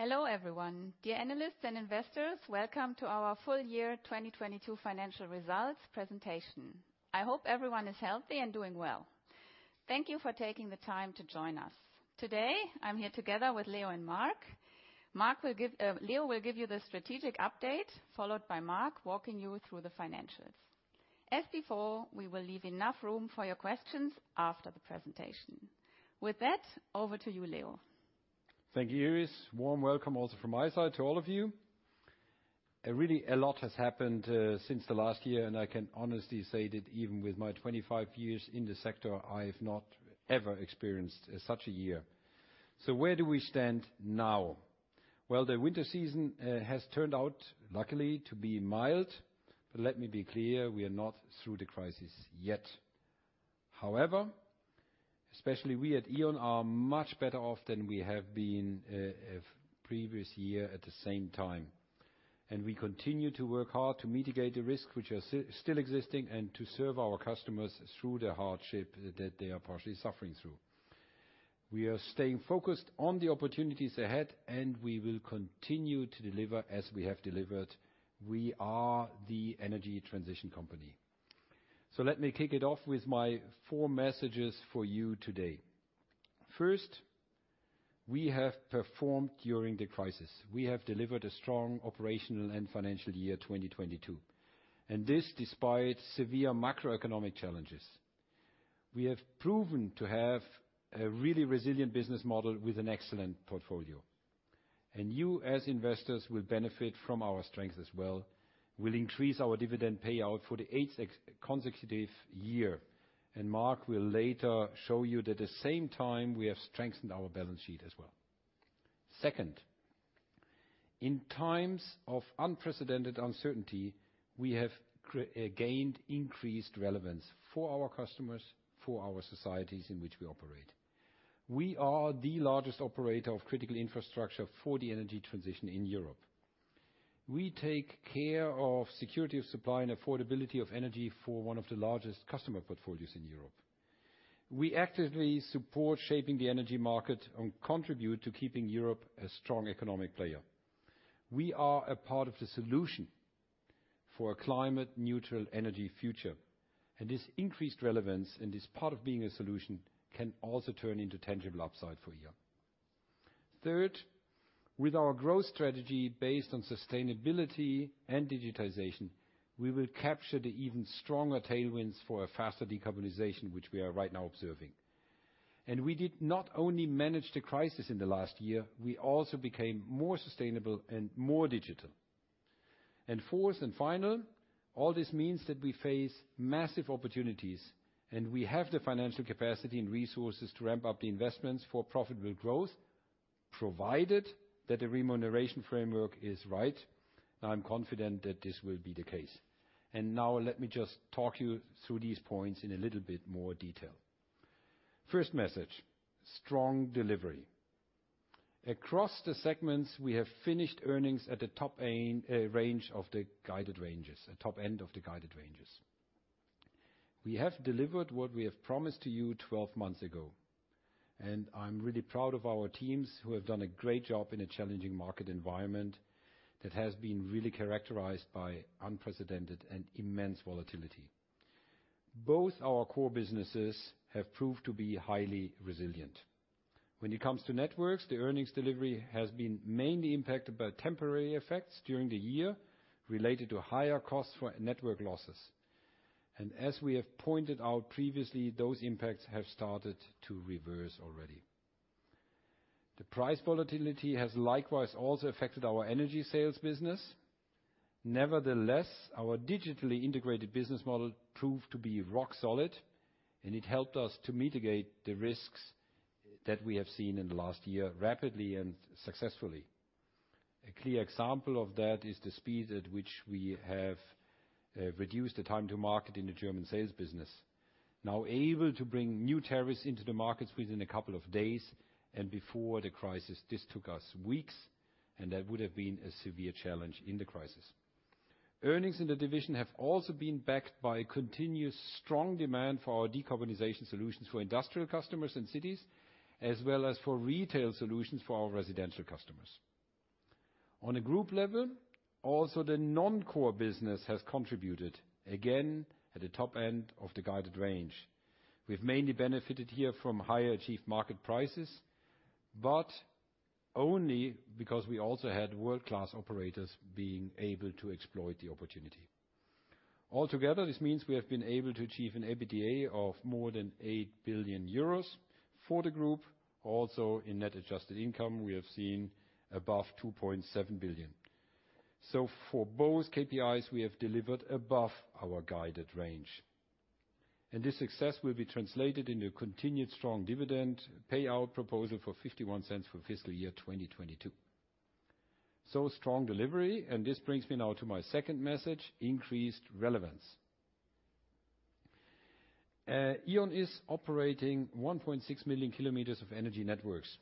Hello everyone. Dear analysts and investors, welcome to our full year 2022 financial results presentation. I hope everyone is healthy and doing well. Thank you for taking the time to join us. Today, I'm here together with Leo and Marc. Leo will give you the strategic update, followed by Marc walking you through the financials. As before, we will leave enough room for your questions after the presentation. Over to you, Leo. Thank you, Iris. Warm welcome also from my side to all of you. Really a lot has happened since the last year, and I can honestly say that even with my 25 years in this sector, I've not ever experienced such a year. Where do we stand now? Well, the winter season has turned out luckily to be mild, but let me be clear, we are not through the crisis yet. However, especially we at E.ON are much better off than we have been previous year at the same time. We continue to work hard to mitigate the risks which are still existing and to serve our customers through the hardship that they are partially suffering through. We are staying focused on the opportunities ahead, and we will continue to deliver as we have delivered. We are the energy transition company. Let me kick it off with my four messages for you today. First, we have performed during the crisis. We have delivered a strong operational and financial year 2022, despite severe macroeconomic challenges. We have proven to have a really resilient business model with an excellent portfolio. You, as investors, will benefit from our strength as well. We'll increase our dividend payout for the eighth consecutive year. Marc will later show you that, at the same time, we have strengthened our balance sheet as well. Second, in times of unprecedented uncertainty, we have gained increased relevance for our customers, for our societies in which we operate. We are the largest operator of critical infrastructure for the energy transition in Europe. We take care of security of supply and affordability of energy for one of the largest customer portfolios in Europe. We actively support shaping the energy market and contribute to keeping Europe a strong economic player. We are a part of the solution for a climate-neutral energy future. This increased relevance and this part of being a solution can also turn into tangible upside for E.ON. Third, with our growth strategy based on sustainability and digitization, we will capture the even stronger tailwinds for a faster decarbonization, which we are right now observing. We did not only manage the crisis in the last year, we also became more sustainable and more digital. Fourth and final, all this means that we face massive opportunities, and we have the financial capacity and resources to ramp up the investments for profitable growth, provided that the remuneration framework is right. I'm confident that this will be the case. Now let me just talk you through these points in a little bit more detail. First message, strong delivery. Across the segments, we have finished earnings at the top end range of the guided ranges, at top end of the guided ranges. We have delivered what we have promised to you 12 months ago, and I'm really proud of our teams who have done a great job in a challenging market environment that has been really characterized by unprecedented and immense volatility. Both our core businesses have proved to be highly resilient. When it comes to networks, the earnings delivery has been mainly impacted by temporary effects during the year related to higher costs for network losses. As we have pointed out previously, those impacts have started to reverse already. The price volatility has likewise also affected our energy sales business. Nevertheless, our digitally integrated business model proved to be rock solid, and it helped us to mitigate the risks that we have seen in the last year rapidly and successfully. A clear example of that is the speed at which we have reduced the time to market in the German sales business. Now able to bring new tariffs into the markets within a couple of days, and before the crisis, this took us weeks, and that would have been a severe challenge in the crisis. Earnings in the division have also been backed by continuous strong demand for our decarbonization solutions for industrial customers and cities, as well as for retail solutions for our residential customers. On a group level, also the non-core business has contributed, again at the top end of the guided range. We've mainly benefited here from higher achieved market prices, but only because we also had world-class operators being able to exploit the opportunity. Altogether, this means we have been able to achieve an EBITDA of more than 8 billion euros for the group. Also, in adjusted net income, we have seen above 2.7 billion. For both KPIs, we have delivered above our guided range. This success will be translated into a continued strong dividend payout proposal for 0.51 for fiscal year 2022. Strong delivery, and this brings me now to my second message, increased relevance. E.ON is operating 1.6 million km of Energy Networks,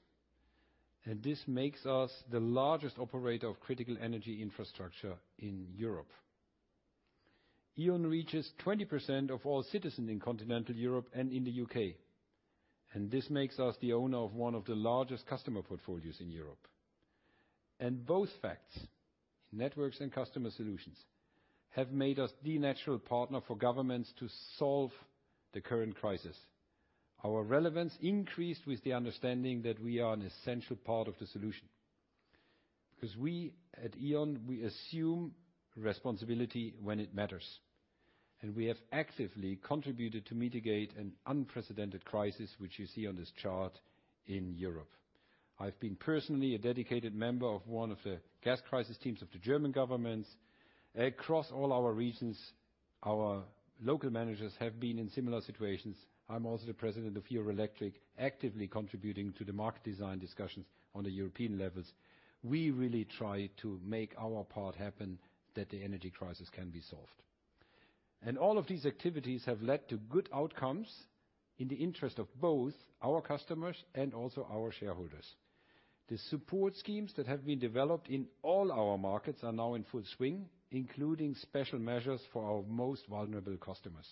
and this makes us the largest operator of critical energy infrastructure in Europe. E.ON reaches 20% of all citizens in continental Europe and in the U.K. This makes us the owner of one of the largest customer portfolios in Europe. Both facts, networks and Customer Solutions, have made us the natural partner for governments to solve the current crisis. Our relevance increased with the understanding that we are an essential part of the solution. We, at E.ON, we assume responsibility when it matters, and we have actively contributed to mitigate an unprecedented crisis, which you see on this chart, in Europe. I've been personally a dedicated member of one of the gas crisis teams of the German government. Across all our regions, our local managers have been in similar situations. I'm also the President of Eurelectric, actively contributing to the market design discussions on the European levels. We really try to make our part happen that the energy crisis can be solved. All of these activities have led to good outcomes in the interest of both our customers and also our shareholders. The support schemes that have been developed in all our markets are now in full swing, including special measures for our most vulnerable customers.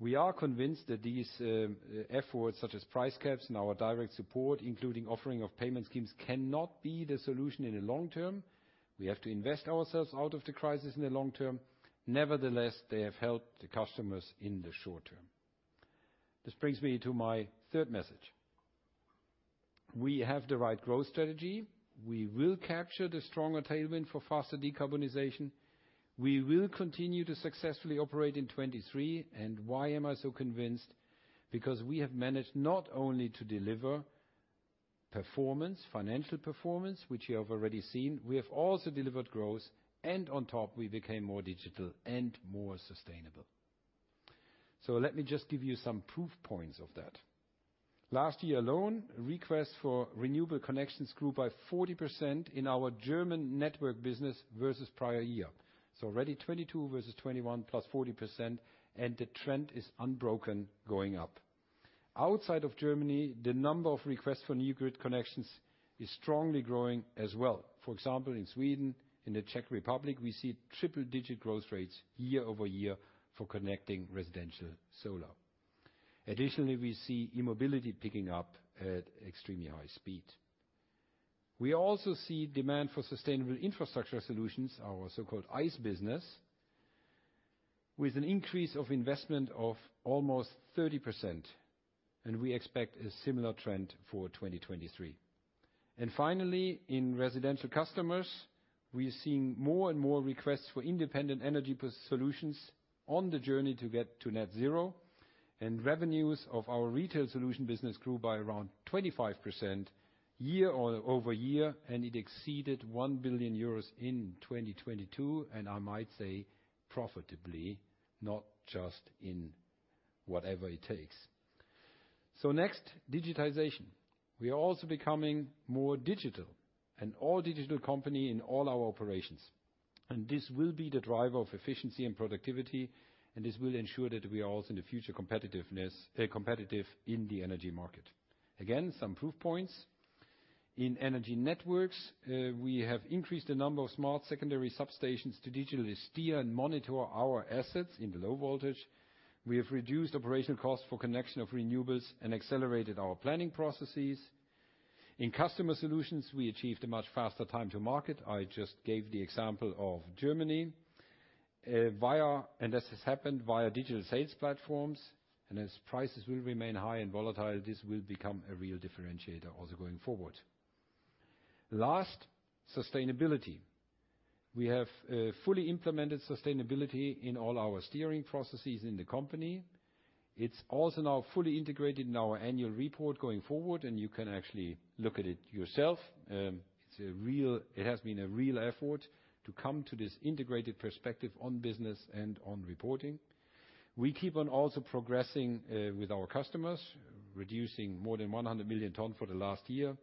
We are convinced that these efforts, such as price caps and our direct support, including offering of payment schemes, cannot be the solution in the long term. We have to invest ourselves out of the crisis in the long term. Nevertheless, they have helped the customers in the short term. This brings me to my third message. We have the right growth strategy. We will capture the strong attainment for faster decarbonization. We will continue to successfully operate in 2023. Why am I so convinced? We have managed not only to deliver performance, financial performance, which you have already seen. We have also delivered growth and, on top, we became more digital and more sustainable. Let me just give you some proof points of that. Last year alone, requests for renewable connections grew by 40% in our German network business versus prior year. Already 2022 versus 2021, +40%, and the trend is unbroken going up. Outside of Germany, the number of requests for new grid connections is strongly growing as well. For example, in Sweden, in the Czech Republic, we see triple-digit growth rates year-over-year for connecting residential solar. Additionally, we see e-mobility picking up at extremely high speed. We also see demand for sustainable infrastructure solutions, our so-called IS business, with an increase of investment of almost 30%. We expect a similar trend for 2023. Finally, in residential customers, we are seeing more and more requests for independent energy solutions on the journey to get to net zero. Revenues of our retail solution business grew by around 25% year-over-year, and it exceeded 1 billion euros in 2022, and, I might say, profitably, not just in whatever it takes. Next, digitization. We are also becoming more digital, an all digital company in all our operations. This will be the driver of efficiency and productivity, and this will ensure that we are also in the future competitiveness, competitive in the energy market. Again, some proof points. In Energy Networks, we have increased the number of smart secondary substations to digitally steer and monitor our assets in the low voltage. We have reduced operational costs for connection of renewables and accelerated our planning processes. In Customer Solutions, we achieved a much faster time to market. I just gave the example of Germany, and this has happened via digital sales platforms. As prices will remain high and volatile, this will become a real differentiator also going forward. Last, sustainability. We have fully implemented sustainability in all our steering processes in the company. It's also now fully integrated in our annual report going forward, and you can actually look at it yourself. It has been a real effort to come to this integrated perspective on business and on reporting. We keep on also progressing with our customers, reducing more than 100 million ton for the last year.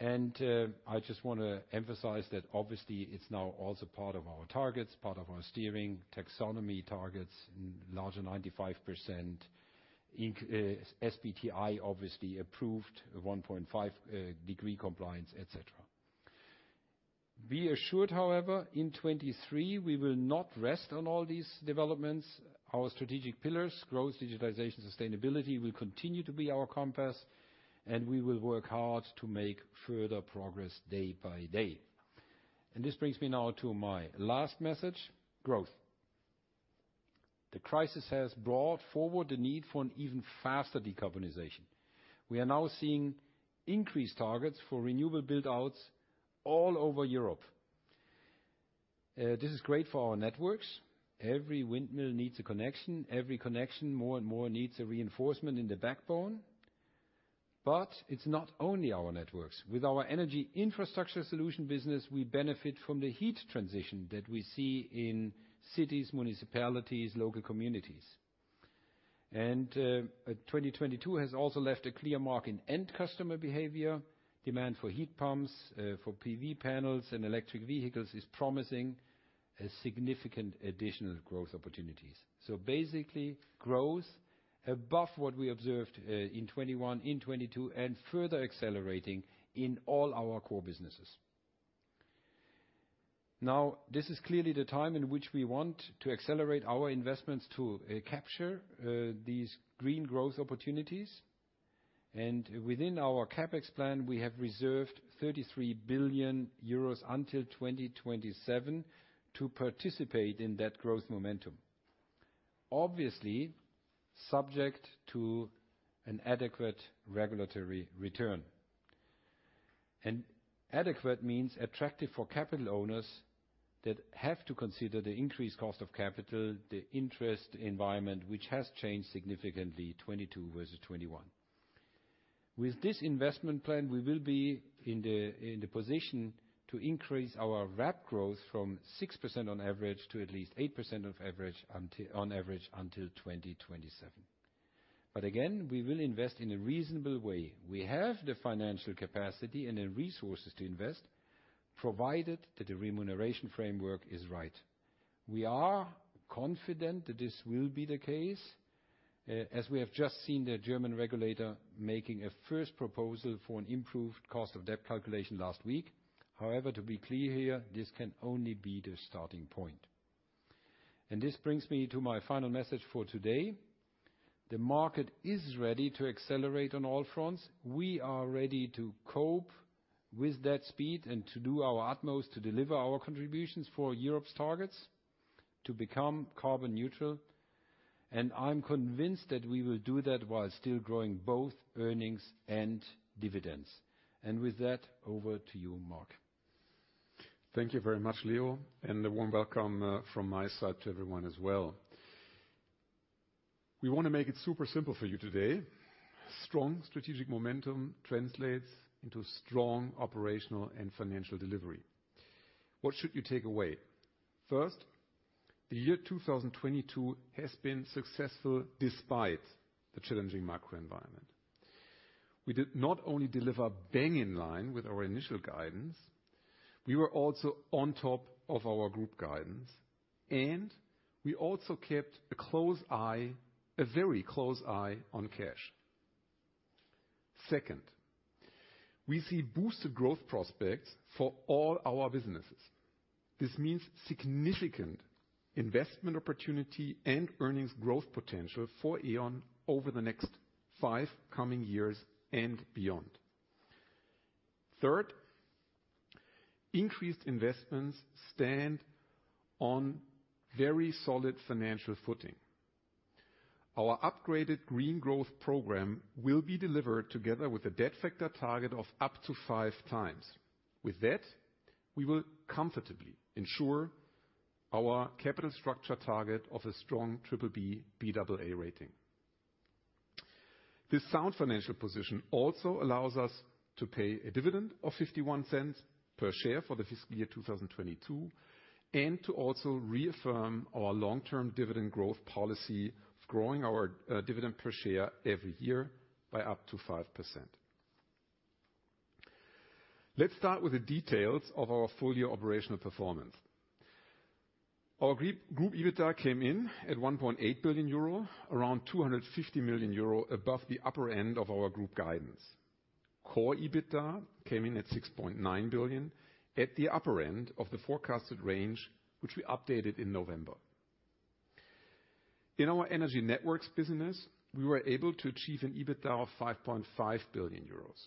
I just wanna emphasize that obviously it's now also part of our targets, part of our steering taxonomy targets, larger 95% SBTI obviously approved 1.5 degree compliance, et cetera. Be assured, however, in 2023, we will not rest on all these developments. Our strategic pillars, growth, digitization, and sustainability, will continue to be our compass, and we will work hard to make further progress day by day. This brings me now to my last message, growth. The crisis has brought forward the need for an even faster decarbonization. We are now seeing increased targets for renewable build-outs all over Europe. This is great for our networks. Every windmill needs a connection. Every connection, more and more, needs a reinforcement in the backbone. It's not only our networks. With our Energy Infrastructure Solutions business, we benefit from the heat transition that we see in cities, municipalities, local communities. 2022 has also left a clear mark in end-customer behavior. Demand for heat pumps, for PV panels and electric vehicles is promising significant additional growth opportunities. Basically, growth above what we observed, in 2021, in 2022, and further accelerating in all our core businesses. This is clearly the time in which we want to accelerate our investments to capture these green growth opportunities. Within our CapEx plan, we have reserved 33 billion euros until 2027 to participate in that growth momentum. Obviously, subject to an adequate regulatory return. Adequate means attractive for capital owners that have to consider the increased cost of capital, the interest environment, which has changed significantly 2022 versus 2021. With this investment plan, we will be in the position to increase our RAB growth from 6% on average to at least 8% on average until 2027. Again, we will invest in a reasonable way. We have the financial capacity and the resources to invest, provided that the remuneration framework is right. We are confident that this will be the case, as we have just seen the German regulator making a first proposal for an improved cost of debt calculation last week. To be clear here, this can only be the starting point. This brings me to my final message for today. The market is ready to accelerate on all fronts. We are ready to cope with that speed and to do our utmost to deliver our contributions for Europe's targets to become carbon neutral. I'm convinced that we will do that while still growing both earnings and dividends. With that, over to you, Marc. Thank you very much, Leo. A warm welcome from my side to everyone as well. We wanna make it super simple for you today. Strong strategic momentum translates into strong operational and financial delivery. What should you take away? First, the year 2022 has been successful despite the challenging macro environment. We did not only deliver bang in line with our initial guidance, we were also on top of our group guidance, and we also kept a close eye, a very close eye on cash. Second, we see boosted growth prospects for all our businesses. This means significant investment opportunity and earnings growth potential for E.ON over the next five coming years and beyond. Third, increased investments stand on very solid financial footing. Our upgraded green growth program will be delivered together with a debt factor target of up to 5x. We will comfortably ensure our capital structure target of a strong BBB, Baa rating. This sound financial position also allows us to pay a dividend of 0.51 per share for the fiscal year 2022, and to also reaffirm our long-term dividend growth policy of growing our dividend per share every year by up to 5%. Let's start with the details of our full-year operational performance. Our group EBITDA came in at 1.8 billion euro, around 250 million euro above the upper end of our group guidance. Core EBITDA came in at 6.9 billion at the upper end of the forecasted range, which we updated in November. In our Energy Networks business, we were able to achieve an EBITDA of 5.5 billion euros.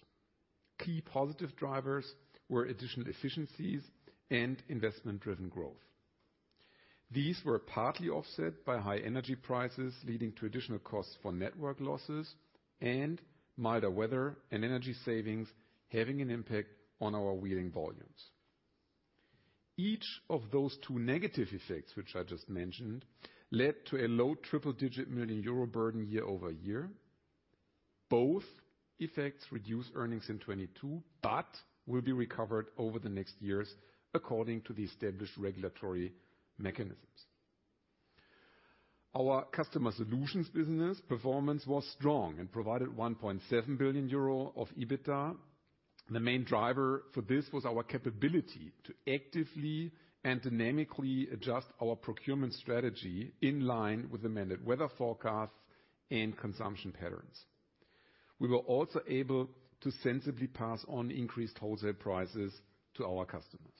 Key positive drivers were additional efficiencies and investment-driven growth. These were partly offset by high energy prices, leading to additional costs for network losses and milder weather and energy savings having an impact on our wheeling volumes. Each of those two negative effects, which I just mentioned, led to a low triple-digit million euro burden year-over-year. Both effects reduced earnings in 2022, but will be recovered over the next years according to the established regulatory mechanisms. Our Customer Solutions business performance was strong and provided 1.7 billion euro of EBITDA. The main driver for this was our capability to actively and dynamically adjust our procurement strategy in line with amended weather forecasts and consumption patterns. We were also able to sensibly pass on increased wholesale prices to our customers.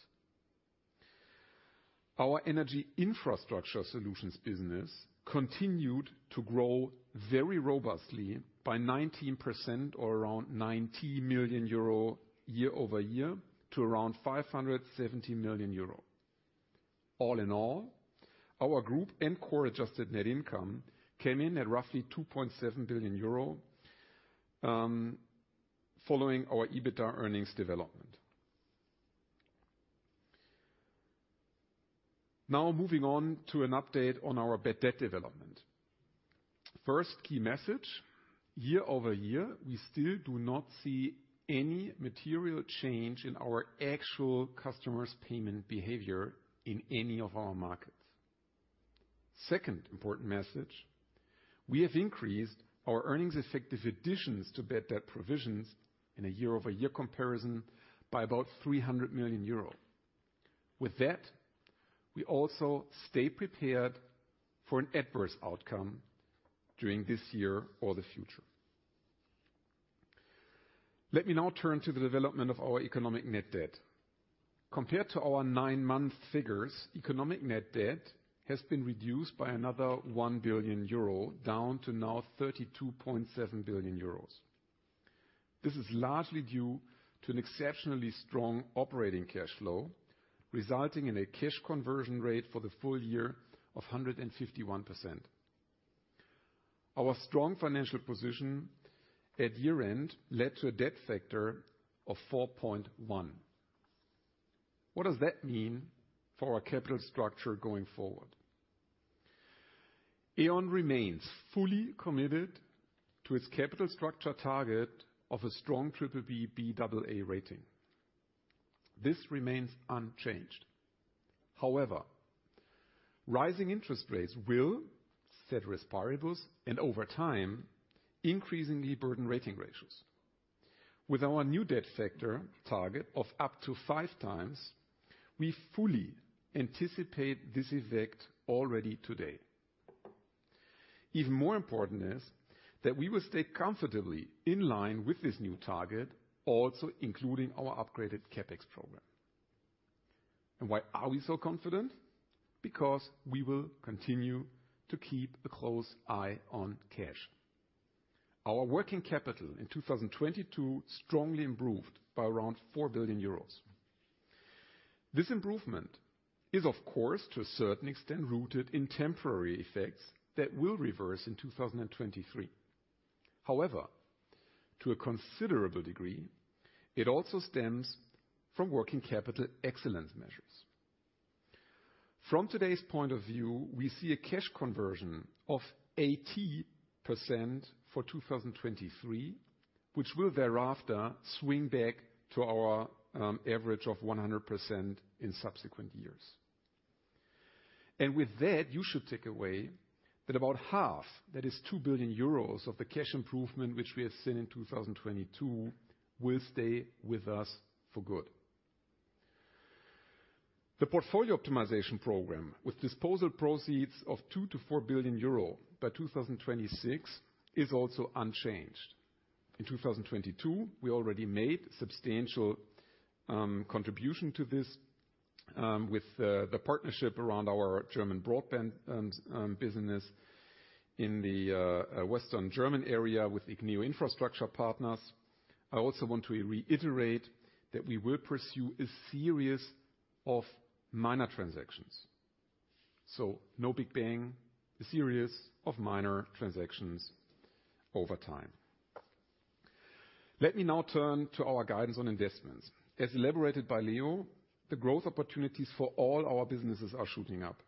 Our Energy Infrastructure Solutions business continued to grow very robustly by 19%, or around 90 million euro year-over-year to around 570 million euro. All in all, our group and core adjusted net income came in at roughly 2.7 billion euro, following our EBITDA earnings development. Moving on to an update on our bad debt development. First key message: year-over-year, we still do not see any material change in our actual customers' payment behavior in any of our markets. Second important message: we have increased our earnings-effective additions to bad debt provisions in a year-over-year comparison by about 300 million euro. We also stay prepared for an adverse outcome during this year or the future. Let me now turn to the development of our economic net debt. Compared to our nine-month figures, economic net debt has been reduced by another 1 billion euro, down to now 32.7 billion euros. This is largely due to an exceptionally strong operating cash flow, resulting in a cash conversion rate for the full year of 151%. Our strong financial position at year-end led to a debt factor of 4.1. What does that mean for our capital structure going forward? E.ON remains fully committed to its capital structure target of a strong BBB, Baa rating. This remains unchanged. However, rising interest rates will, ceteris paribus, and over time, increasingly burden rating ratios. With our new debt factor target of up to 5x, we fully anticipate this effect already today. Even more important is that we will stay comfortably in line with this new target, also including our upgraded CapEx program. Why are we so confident? Because we will continue to keep a close eye on cash. Our working capital in 2022 strongly improved by around 4 billion euros. This improvement is, of course, to a certain extent, rooted in temporary effects that will reverse in 2023. However, to a considerable degree, it also stems from working capital excellence measures. From today's point of view, we see a cash conversion of 80% for 2023, which will thereafter swing back to our average of 100% in subsequent years. With that, you should take away that about 1/2, that is 2 billion euros, of the cash improvement which we have seen in 2022 will stay with us for good. The portfolio optimization program, with disposal proceeds of 2 billion-4 billion euro by 2026, is also unchanged. In 2022, we already made substantial contribution to this with the partnership around our German broadband and business in the western German area with Igneo Infrastructure Partners. I also want to reiterate that we will pursue a series of minor transactions. No big bang, a series of minor transactions over time. Let me now turn to our guidance on investments. As elaborated by Leo, the growth opportunities for all our businesses are shooting up.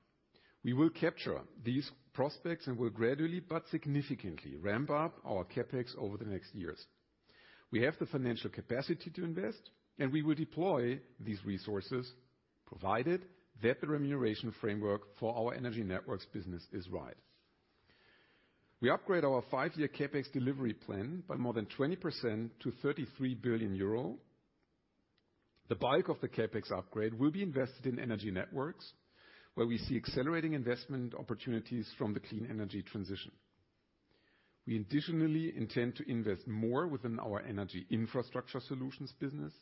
We will capture these prospects and will gradually but significantly ramp up our CapEx over the next years. We have the financial capacity to invest, and we will deploy these resources, provided that the remuneration framework for our Energy Networks business is right. We upgrade our five-year CapEx delivery plan by more than 20% to 33 billion euro. The bulk of the CapEx upgrade will be invested in Energy Networks, where we see accelerating investment opportunities from the clean energy transition. We additionally intend to invest more within our Energy Infrastructure Solutions business,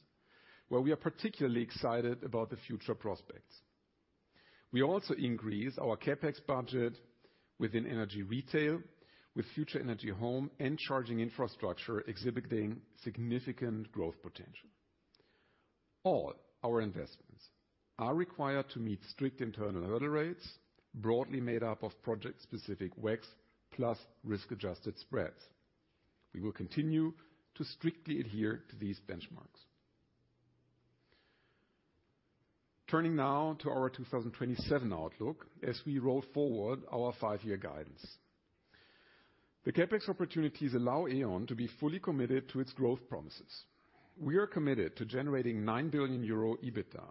where we are particularly excited about the future prospects. We also increase our CapEx budget within energy retail, with Future Energy Home and charging infrastructure exhibiting significant growth potential. All our investments are required to meet strict internal hurdle rates, broadly made up of project-specific WACCs, plus risk-adjusted spreads. We will continue to strictly adhere to these benchmarks. Turning now to our 2027 outlook as we roll forward our five-year guidance. The CapEx opportunities allow E.ON to be fully committed to its growth promises. We are committed to generating 9 billion euro EBITDA.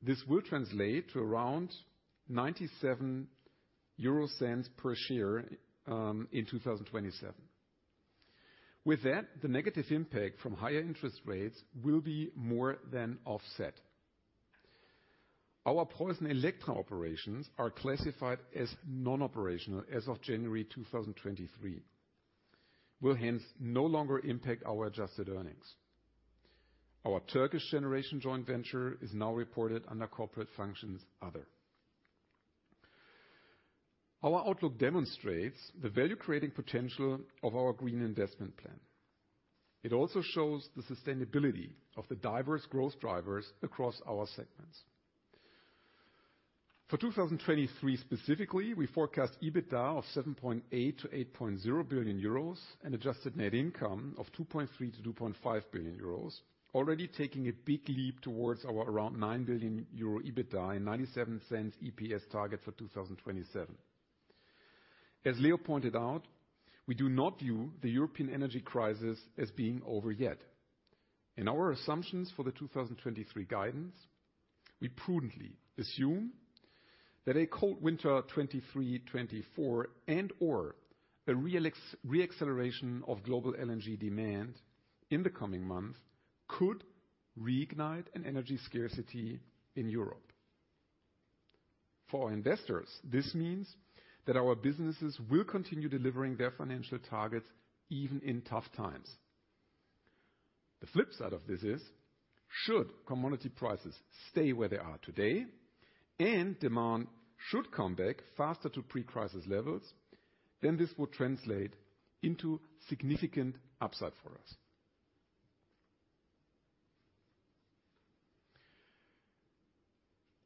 This will translate to around 0.97 per share in 2027. With that, the negative impact from higher interest rates will be more than offset. Our PreussenElektra operations are classified as non-operational as of January 2023. Will hence no longer impact our adjusted earnings. Our Turkish generation joint venture is now reported under corporate functions other. Our outlook demonstrates the value-creating potential of our green investment plan. It also shows the sustainability of the diverse growth drivers across our segments. For 2023 specifically, we forecast EBITDA of 7.8 billion-8.0 billion euros and adjusted net income of 2.3 billion-2.5 billion euros, already taking a big leap towards our around 9 billion euro EBITDA and 0.97 EPS target for 2027. As Leo pointed out, we do not view the European energy crisis as being over yet. In our assumptions for the 2023 guidance, we prudently assume that a cold winter 2023, 2024, and/or a real re-acceleration of global LNG demand in the coming months could reignite an energy scarcity in Europe. For our investors, this means that our businesses will continue delivering their financial targets even in tough times. The flip side of this is, should commodity prices stay where they are today and demand should come back faster to pre-crisis levels, then this will translate into significant upside for us.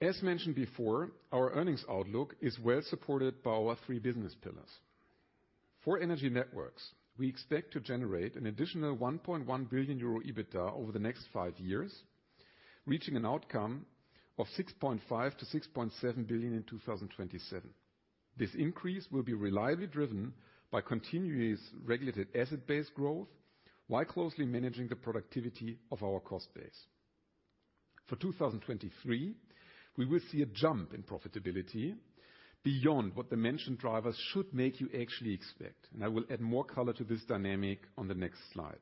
As mentioned before, our earnings outlook is well supported by our three business pillars. For Energy Networks, we expect to generate an additional 1.1 billion euro EBITDA over the next five years, reaching an outcome of 6.5 billion-6.7 billion in 2027. This increase will be reliably driven by continuous regulated asset-based growth while closely managing the productivity of our cost base. For 2023, we will see a jump in profitability beyond what the mentioned drivers should make you actually expect. I will add more color to this dynamic on the next slide.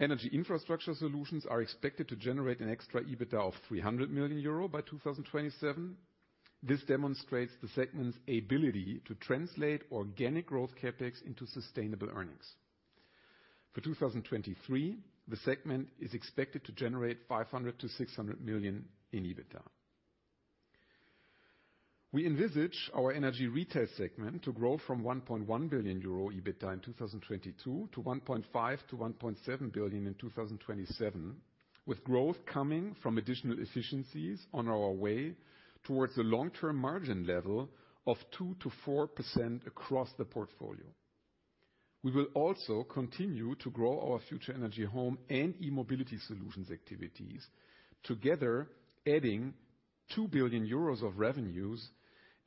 Energy Infrastructure Solutions are expected to generate an extra EBITDA of 300 million euro by 2027. This demonstrates the segment's ability to translate organic growth CapEx into sustainable earnings. For 2023, the segment is expected to generate 500 million-600 million in EBITDA. We envisage our Energy Retail segment to grow from 1.1 billion euro EBITDA in 2022 to 1.5 billion-1.7 billion in 2027, with growth coming from additional efficiencies on our way towards a long-term margin level of 2%-4% across the portfolio. We will also continue to grow our Future Energy Home and e-mobility solutions activities, together adding 2 billion euros of revenues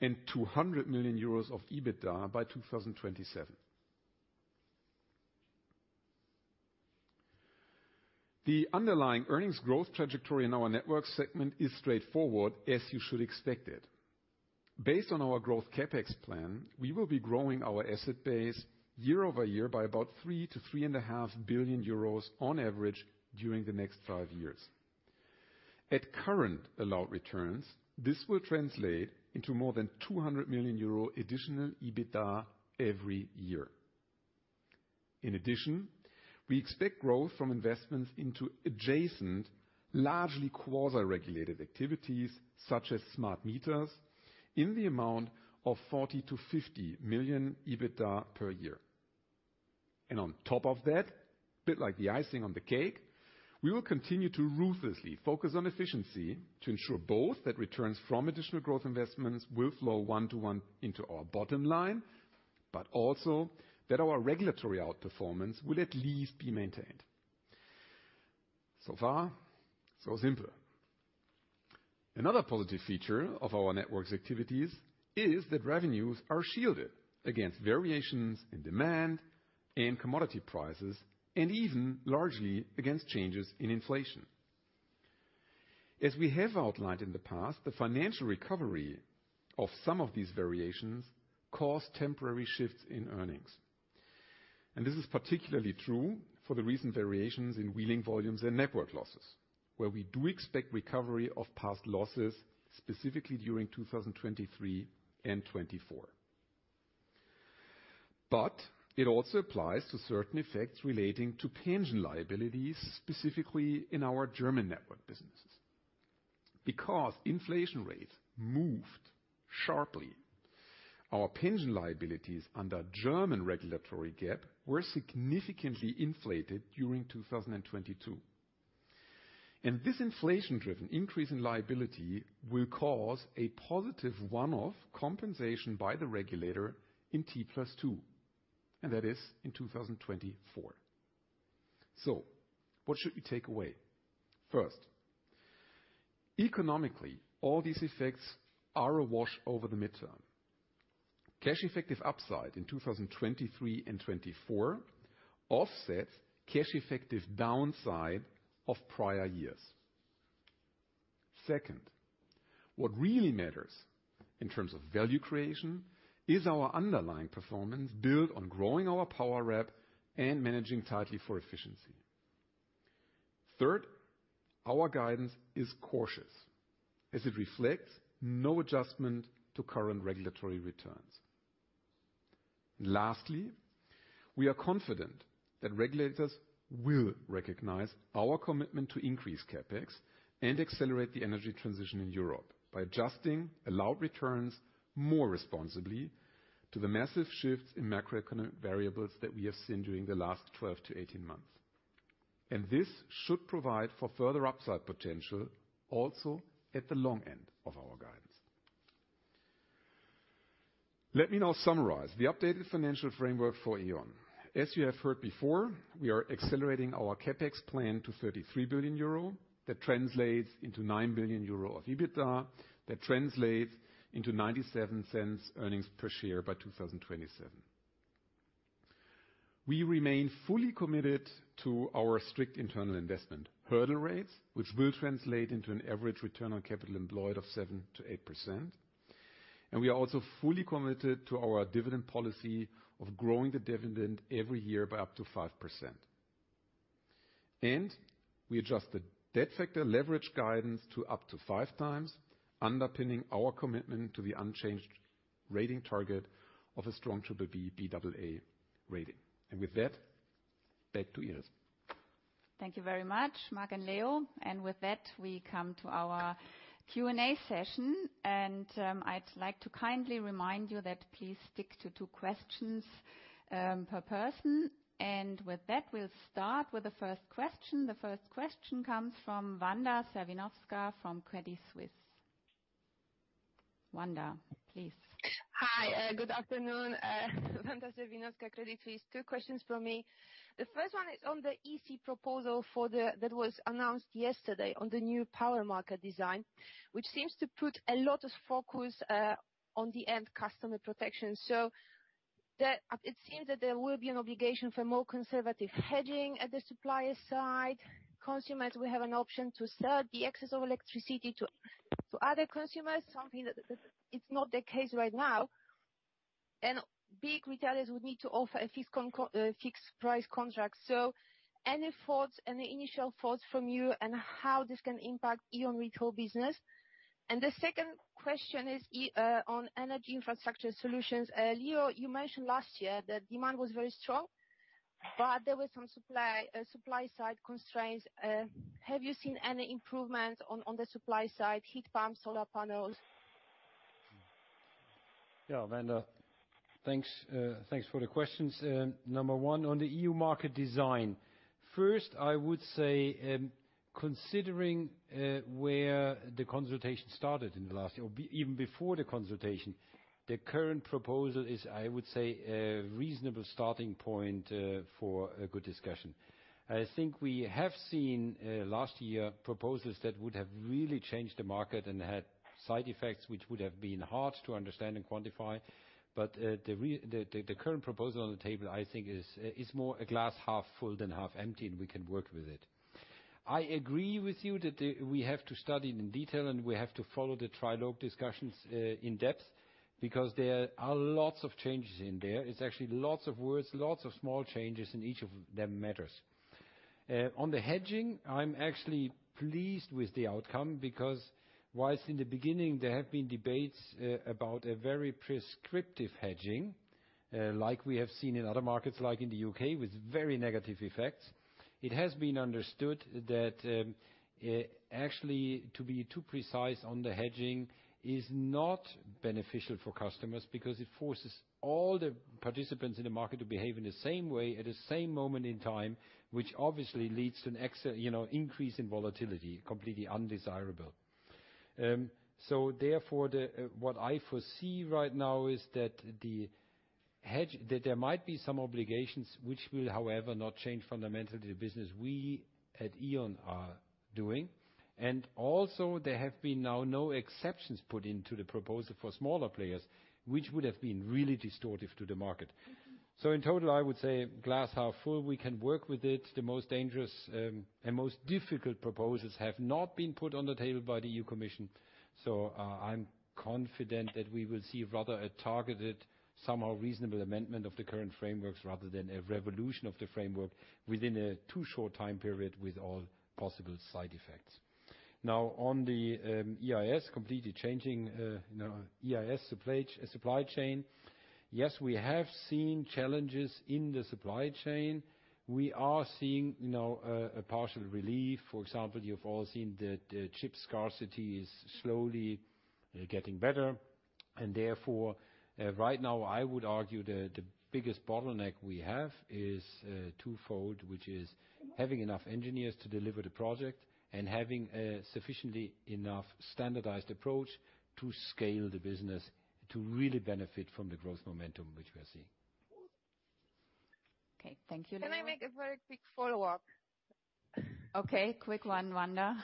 and 200 million euros of EBITDA by 2027. The underlying earnings growth trajectory in our Energy Networks Segment is straightforward, as you should expect it. Based on our growth CapEx plan, we will be growing our asset base year-over-year by about 3 billion-3.5 billion euros on average during the next five years. At current allowed returns, this will translate into more than 200 million euro additional EBITDA every year. In addition, we expect growth from investments into adjacent, largely quasi-regulated activities such as smart meters in the amount of 40 million-50 million EBITDA per year. On top of that, a bit like the icing on the cake, we will continue to ruthlessly focus on efficiency to ensure both that returns from additional growth investments will flow one-to-one into our bottom line, but also that our regulatory outperformance will at least be maintained. Far, so simple. Another positive feature of our networks activities is that revenues are shielded against variations in demand and commodity prices, and even largely against changes in inflation. As we have outlined in the past, the financial recovery of some of these variations cause temporary shifts in earnings. This is particularly true for the recent variations in wheeling volumes and network losses, where we do expect recovery of past losses, specifically during 2023 and 2024. It also applies to certain effects relating to pension liabilities, specifically in our German network businesses. Because inflation rates moved sharply, our pension liabilities under German regulatory GAAP were significantly inflated during 2022. This inflation-driven increase in liability will cause a positive one-off compensation by the regulator in T+2, and that is in 2024. What should we take away? First, economically, all these effects are a wash over the midterm. Cash effective upside in 2023 and 2024 offsets cash effective downside of prior years. What really matters in terms of value creation is our underlying performance built on growing our power rep and managing tightly for efficiency. Our guidance is cautious as it reflects no adjustment to current regulatory returns. We are confident that regulators will recognize our commitment to increase CapEx and accelerate the energy transition in Europe by adjusting allowed returns more responsibly to the massive shifts in macroeconomic variables that we have seen during the last 12 to 18 months. This should provide for further upside potential also at the long end of our guidance. Let me now summarize the updated financial framework for E.ON. As you have heard before, we are accelerating our CapEx plan to 33 billion euro. That translates into 9 billion euro of EBITDA. That translates into 0.97 earnings per share by 2027. We remain fully committed to our strict internal investment hurdle rates, which will translate into an average return on capital employed of 7%-8%. We are also fully committed to our dividend policy of growing the dividend every year by up to 5%. We adjusted debt factor leverage guidance to up to 5x, underpinning our commitment to the unchanged rating target of a strong BBB, Baa rating. With that, back to Iris. Thank you very much, Marc and Leo. With that, we come to our Q&A session. I'd like to kindly remind you that please stick to two questions per person. With that, we'll start with the first question. The first question comes from Wanda Serwinowska from Credit Suisse. Wanda, please. Hi, good afternoon. Wanda Serwinowska, Credit Suisse. Two questions from me. The first one is on the EC proposal that was announced yesterday on the new power market design, which seems to put a lot of focus on the end customer protection. It seems that there will be an obligation for more conservative hedging at the supplier side. Consumers will have an option to sell the excess of electricity to other consumers, something that is not the case right now. Big retailers would need to offer a fixed price contract. Any thoughts, any initial thoughts from you on how this can impact E.ON retail business? The second question is on Energy Infrastructure Solutions. Leo, you mentioned last year that demand was very strong, but there were some supply side constraints. Have you seen any improvement on the supply side, heat pumps, solar panels? Yeah, Wanda. Thanks, thanks for the questions. Number one, on the EU market design. I would say, considering, where the consultation started in the last year, or even before the consultation, the current proposal is, I would say, a reasonable starting point, for a good discussion. I think we have seen, last year, proposals that would have really changed the market and had side effects which would have been hard to understand and quantify. The current proposal on the table, I think, is more a glass 1/2 full than 1/2 empty, and we can work with it. I agree with you that, we have to study it in detail, and we have to follow the trilogue discussions, in depth, because there are lots of changes in there. It's actually lots of words, lots of small changes, and each of them matters. On the hedging, I'm actually pleased with the outcome because whilst in the beginning there have been debates about a very prescriptive hedging, like we have seen in other markets, like in the U.K., with very negative effects. It has been understood that actually to be too precise on the hedging is not beneficial for customers because it forces all the participants in the market to behave in the same way at the same moment in time, which obviously leads to an increase in volatility, completely undesirable. Therefore, what I foresee right now is that the hedge, that there might be some obligations which will, however, not change fundamentally the business we at E.ON are doing. Also, there have been now no exceptions put into the proposal for smaller players, which would have been really distortive to the market. In total, I would say glass half full. We can work with it. The most dangerous and most difficult proposals have not been put on the table by the European Commission. I'm confident that we will see rather a targeted, somehow reasonable amendment of the current frameworks rather than a revolution of the framework within a too short time period with all possible side effects. On the EIS completely changing, you know, EIS supply chain. Yes, we have seen challenges in the supply chain. We are seeing, you know, a partial relief. For example, you've all seen the chip scarcity is slowly getting better. Therefore, right now, I would argue the biggest bottleneck we have is twofold, which is having enough engineers to deliver the project and having sufficiently enough standardized approach to scale the business to really benefit from the growth momentum which we are seeing. Okay. Thank you, Leo. Can I make a very quick follow-up? Okay. Quick one, Wanda.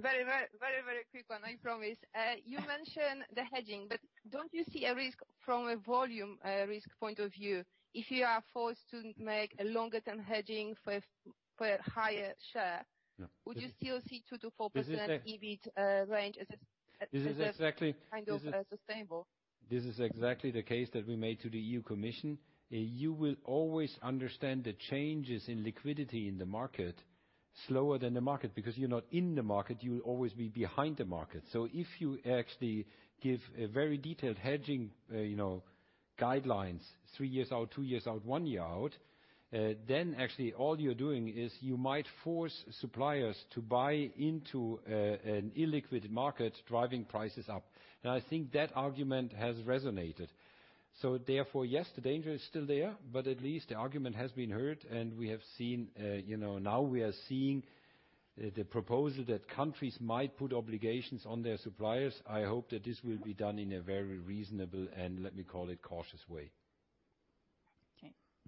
Very, very, very, very quick one, I promise. You mentioned the hedging, but don't you see a risk from a volume, risk point of view if you are forced to make a longer-term hedging for for higher share? No. Would you still see 2%-4%- This is ex...... EBIT, range as a- This is exactly...... kind of, sustainable? This is exactly the case that we made to the European Commission. You will always understand the changes in liquidity in the market slower than the market because you're not in the market. You will always be behind the market. If you actually give a very detailed hedging, you know, guidelines three years out, two years out, one year out, then actually all you're doing is you might force suppliers to buy into an illiquid market, driving prices up. Now, I think that argument has resonated. Therefore, yes, the danger is still there, but at least the argument has been heard. We have seen, you know, now we are seeing the proposal that countries might put obligations on their suppliers. I hope that this will be done in a very reasonable and, let me call it, cautious way.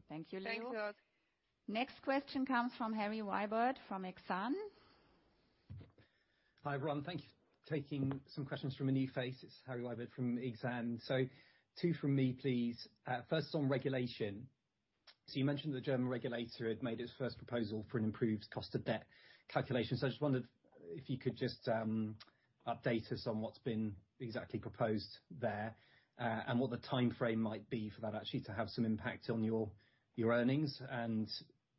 Okay. Thank you, Leo. Thanks a lot. Next question comes from Harry Wyburd from Exane. Hi, everyone. Thank you for taking some questions from a new face. It's Harry Wyburd from Exane BNP Paribas. Two from me, please. First on regulation. You mentioned the German regulator had made its first proposal for an improved cost of debt calculation. I just wondered if you could just update us on what's been exactly proposed there, and what the timeframe might be for that actually to have some impact on your earnings. And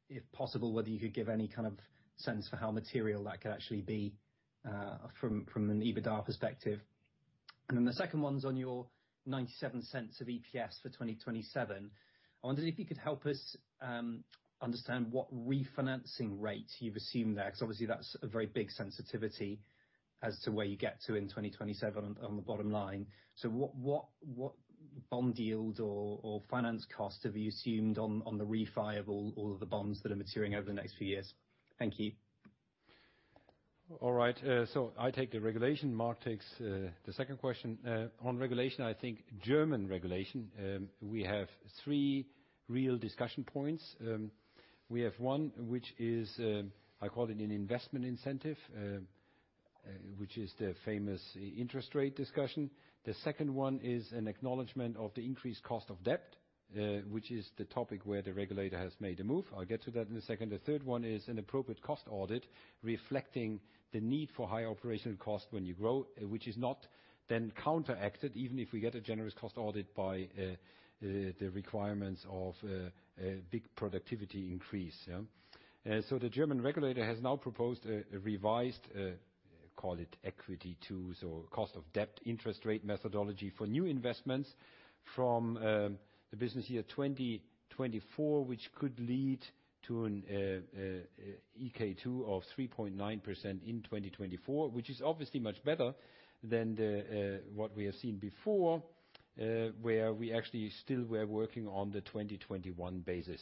if possible, whether you could give any kind of sense for how material that could actually be from an EBITDA perspective. The second one's on your 0.97 of EPS for 2027. I wondered if you could help us understand what refinancing rate you've assumed there, 'cause obviously that's a very big sensitivity as to where you get to in 2027 on the bottom line. What bond yield or finance cost have you assumed on the refi of all of the bonds that are maturing over the next few years? Thank you. All right, I take the regulation, Marc takes the second question. On regulation, I think German regulation, we have three real discussion points. We have one, which is, I call it an investment incentive, which is the famous interest rate discussion. The seond one is an acknowledgment of the increased cost of debt, which is the topic where the regulator has made a move. I'll get to that in a second. The third one is an appropriate cost audit reflecting the need for higher operational cost when you grow, which is not then counteracted, even if we get a generous cost audit by the requirements of a big productivity increase, yeah? The German regulator has now proposed a revised, call it equity tools or cost of debt interest rate methodology for new investments from the business year 2024, which could lead to an EK II of 3.9% in 2024, which is obviously much better than the what we have seen before, where we actually still were working on the 2021 basis.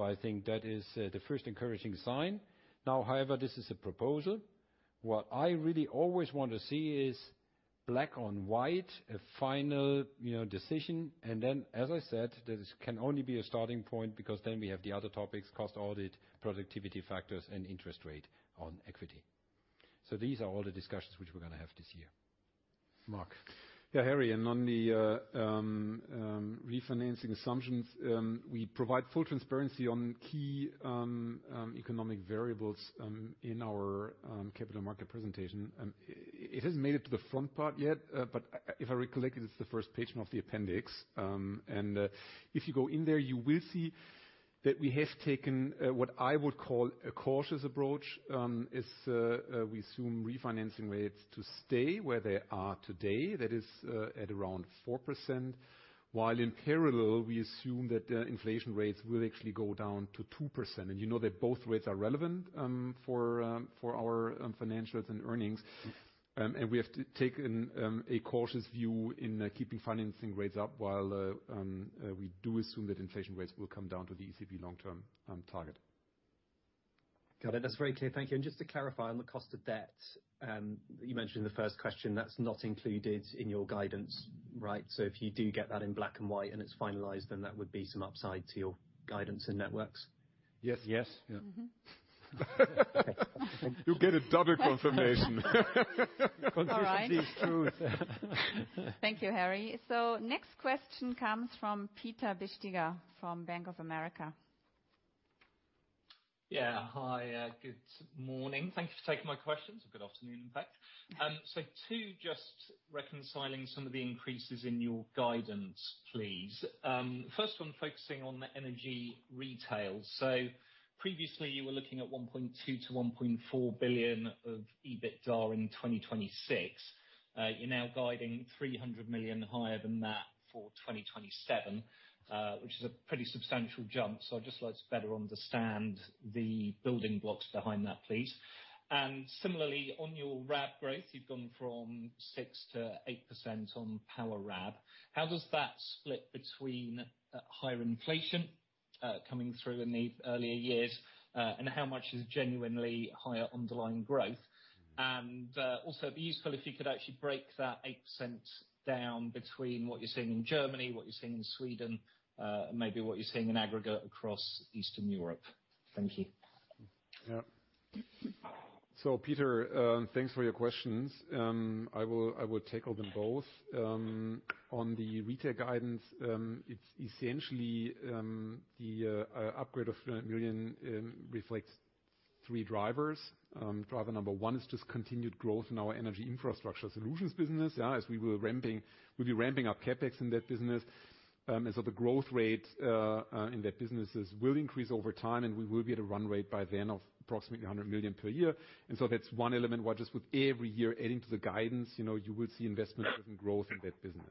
I think that is the first encouraging sign. Now, however, this is a proposal. What I really always want to see is black on white, a final, you know, decision, and then as I said, this can only be a starting point because then we have the other topics, cost audit, productivity factors, and interest rate on equity. These are all the discussions which we're gonna have this year. Marc. Yeah, Harry, and on the refinancing assumptions, we provide full transparency on key economic variables in our capital market presentation. It hasn't made it to the front part yet, but if I recollect it's the first page of the appendix. If you go in there, you will see that we have taken what I would call a cautious approach, is we assume refinancing rates to stay where they are today, that is, at around 4%. While in parallel, we assume that inflation rates will actually go down to 2%. You know that both rates are relevant for our financials and earnings. We have taken a cautious view in keeping financing rates up while we do assume that inflation rates will come down to the ECB long-term on target. Got it. That's very clear. Thank you. Just to clarify on the cost of debt, you mentioned in the first question, that's not included in your guidance, right? If you do get that in black and white and it's finalized, then that would be some upside to your guidance and networks. Yes. Yes. Yeah. Mm-hmm. You get a double confirmation. All right. Confirmation is truth. Thank you, Harry. Next question comes from Peter Bisztyga from Bank of America. Hi. Good morning. Thank you for taking my questions. Good afternoon, in fact. Two, just reconciling some of the increases in your guidance, please. First one, focusing on the energy retail. Previously you were looking at 1.2 billion-1.4 billion of EBITDA in 2026. You're now guiding 300 million higher than that for 2027, which is a pretty substantial jump. I'd just like to better understand the building blocks behind that, please. Similarly, on your RAB growth, you've gone from 6%-8% on power RAB. How does that split between higher inflation coming through in the earlier years, and how much is genuinely higher underlying growth? Also it'd be useful if you could actually break that 8% down between what you're seeing in Germany, what you're seeing in Sweden, maybe what you're seeing in aggregate across Eastern Europe. Thank you. Yeah. Peter, thanks for your questions. I will tackle them both. On the retail guidance, it's essentially the upgrade of 1 million reflects three drivers. Driver number one is just continued growth in our Energy Infrastructure Solutions business, yeah, as we were ramping, we'll be ramping up CapEx in that business. The growth rate in that businesses will increase over time, and we will be at a run rate by then of approximately 100 million per year. That's one element where just with every year adding to the guidance, you know, you will see investment growth in that business.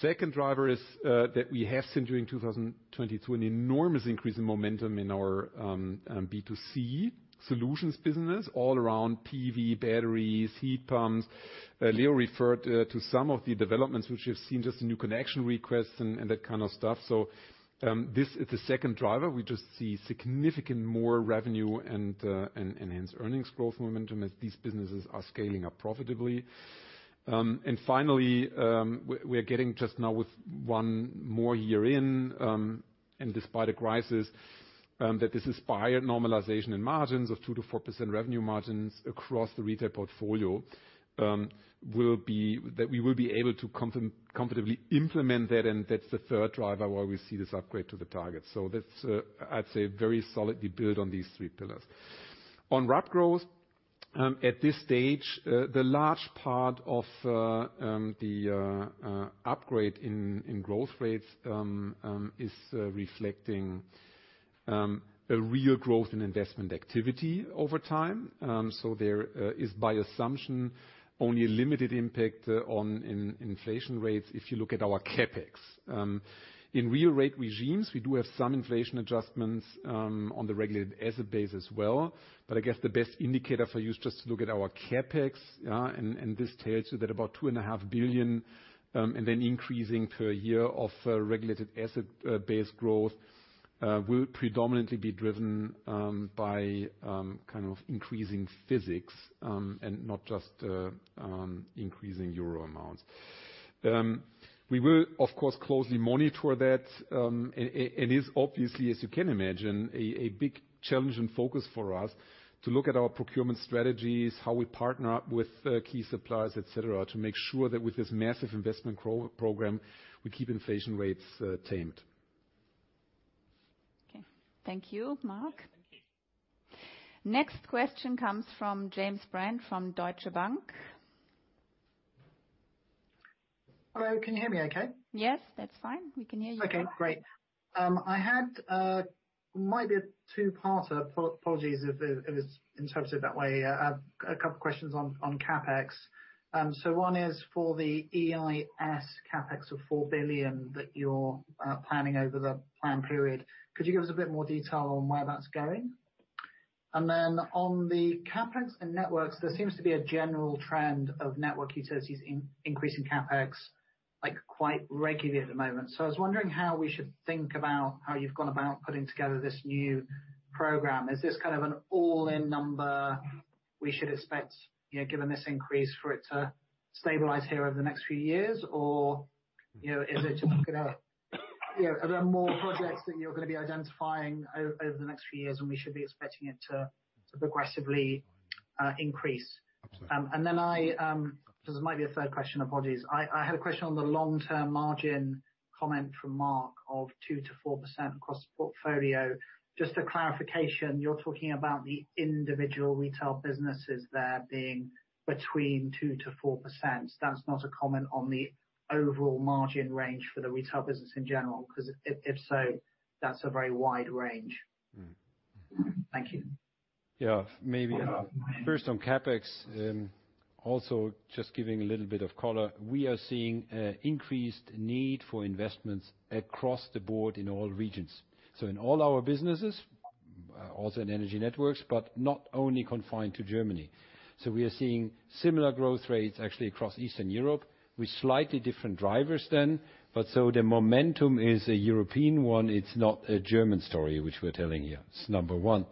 Second driver is that we have seen during 2022 an enormous increase in momentum in our B2C solutions business all around PV, batteries, heat pumps. Leo referred to some of the developments which we've seen, just the new connection requests and that kind of stuff. This is the second driver. We just see significant more revenue and enhanced earnings growth momentum as these businesses are scaling up profitably. And finally, we're getting just now with one more year in, and despite the crisis, that this inspired normalization in margins of 2%-4% revenue margins across the retail portfolio, will be that we will be able to competitively implement that, and that's the third driver why we see this upgrade to the target. That's, I'd say very solidly built on these three pillars. On RAB growth, at this stage, the large part of the upgrade in growth rates is reflecting a real growth in investment activity over time. There is by assumption only a limited impact on in-inflation rates if you look at our CapEx. In real rate regimes, we do have some inflation adjustments on the Regulated Asset Base as well. I guess the best indicator for you is just to look at our CapEx, yeah, and this tells you that about 2.5 billion and then increasing per year of Regulated Asset Base growth will predominantly be driven by kind of increasing physics and not just increasing euro amounts. We will, of course, closely monitor that, and it is obviously, as you can imagine, a big challenge and focus for us to look at our procurement strategies, how we partner up with key suppliers, et cetera, to make sure that with this massive investment program, we keep inflation rates tamed. Thank you, Marc. Next question comes from James Brand, from Deutsche Bank. Hello, can you hear me okay? Yes, that's fine. We can hear you. Okay, great. I had, might be a two-parter, apologies if it's interpreted that way. A couple questions on CapEx. One is for the EIS CapEx of 4 billion that you're planning over the plan period. Could you give us a bit more detail on where that's going? Then on the CapEx and networks, there seems to be a general trend of network utilities increasing CapEx, like, quite regularly at the moment. I was wondering how we should think about how you've gone about putting together this new program. Is this kind of an all-in number we should expect, you know, given this increase for it to stabilize here over the next few years? You know, is it just gonna, you know, are there more projects that you're gonna be identifying over the next few years, and we should be expecting it to progressively increase? This might be a third question, apologies. I had a question on the long-term margin comment from Marc of 2%-4% across the portfolio. Just a clarification, you're talking about the individual retail businesses there being between 2%-4%. That's not a comment on the overall margin range for the retail business in general, 'cause if so, that's a very wide range. Mm-hmm. Thank you. Yeah. Maybe, first on CapEx, also just giving a little bit of color. We are seeing increased need for investments across the board in all regions. In all our businesses, also in Energy Networks, but not only confined to Germany. We are seeing similar growth rates actually across Eastern Europe with slightly different drivers then, the momentum is a European one, it's not a German story which we're telling here. It's number one.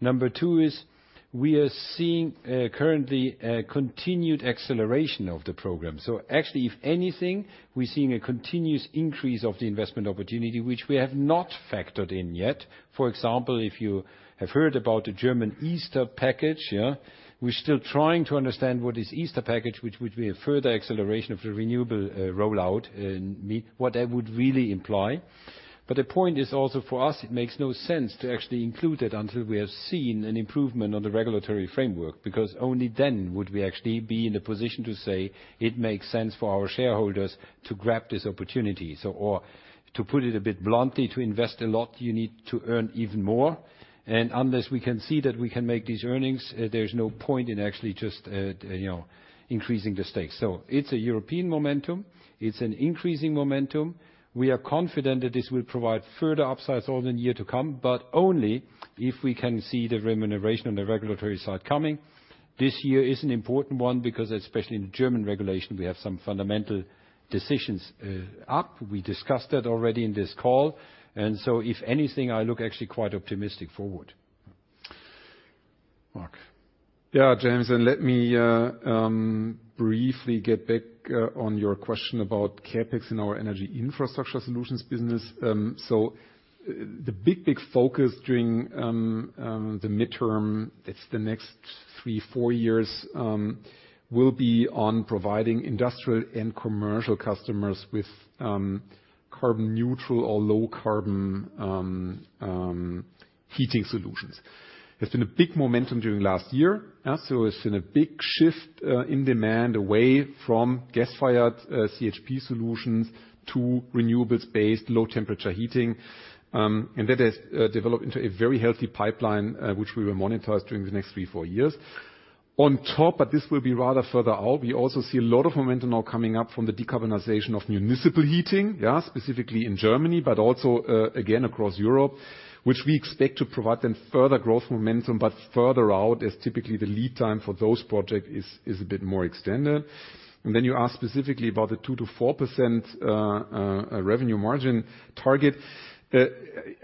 Number two is we are seeing currently continued acceleration of the program. Actually, if anything, we're seeing a continuous increase of the investment opportunity, which we have not factored in yet. For example, if you have heard about the German Easter Package, yeah, we're still trying to understand what is Easter Package, which would be a further acceleration of the renewable rollout and what that would really imply. The point is also for us, it makes no sense to actually include it until we have seen an improvement on the regulatory framework, because only then would we actually be in a position to say it makes sense for our shareholders to grab this opportunity. To put it a bit bluntly, to invest a lot, you need to earn even more. Unless we can see that we can make these earnings, there's no point in actually just, you know, increasing the stakes. It's a European momentum. It's an increasing momentum. We are confident that this will provide further upsides all in year to come, but only if we can see the remuneration on the regulatory side coming. This year is an important one because especially in the German regulation, we have some fundamental decisions up. We discussed that already in this call. If anything, I look actually quite optimistic forward. Marc. Yeah, James. Let me briefly get back on your question about CapEx in our Energy Infrastructure Solutions business. The big focus during the midterm, it's the next three, four years, will be on providing industrial and commercial customers with carbon neutral or low carbon heating solutions. There's been a big momentum during last year. It's been a big shift in demand away from gas-fired CHP solutions to renewables-based low temperature heating. That has developed into a very healthy pipeline, which we will monitor during the next three, four years. On top, but this will be rather further out, we also see a lot of momentum now coming up from the decarbonization of municipal heating, yeah, specifically in Germany, but also again, across Europe, which we expect to provide them further growth momentum, but further out as typically the lead time for those project is a bit more extended. You asked specifically about the 2%-4% revenue margin target.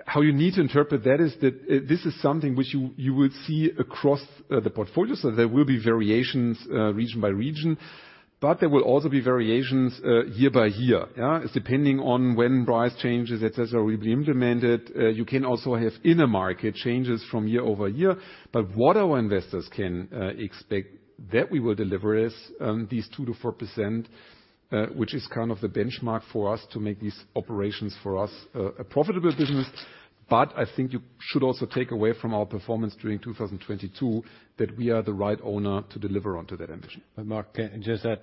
How you need to interpret that is that this is something which you will see across the portfolio. There will be variations, region by region. There will also be variations, year by year, yeah? Depending on when price changes, et cetera, will be implemented. You can also have inner market changes from year-over-year. What our investors can expect that we will deliver is these 2%-4%, which is kind of the benchmark for us to make these operations for us a profitable business. I think you should also take away from our performance during 2022 that we are the right owner to deliver onto that ambition. Marc, can I just add?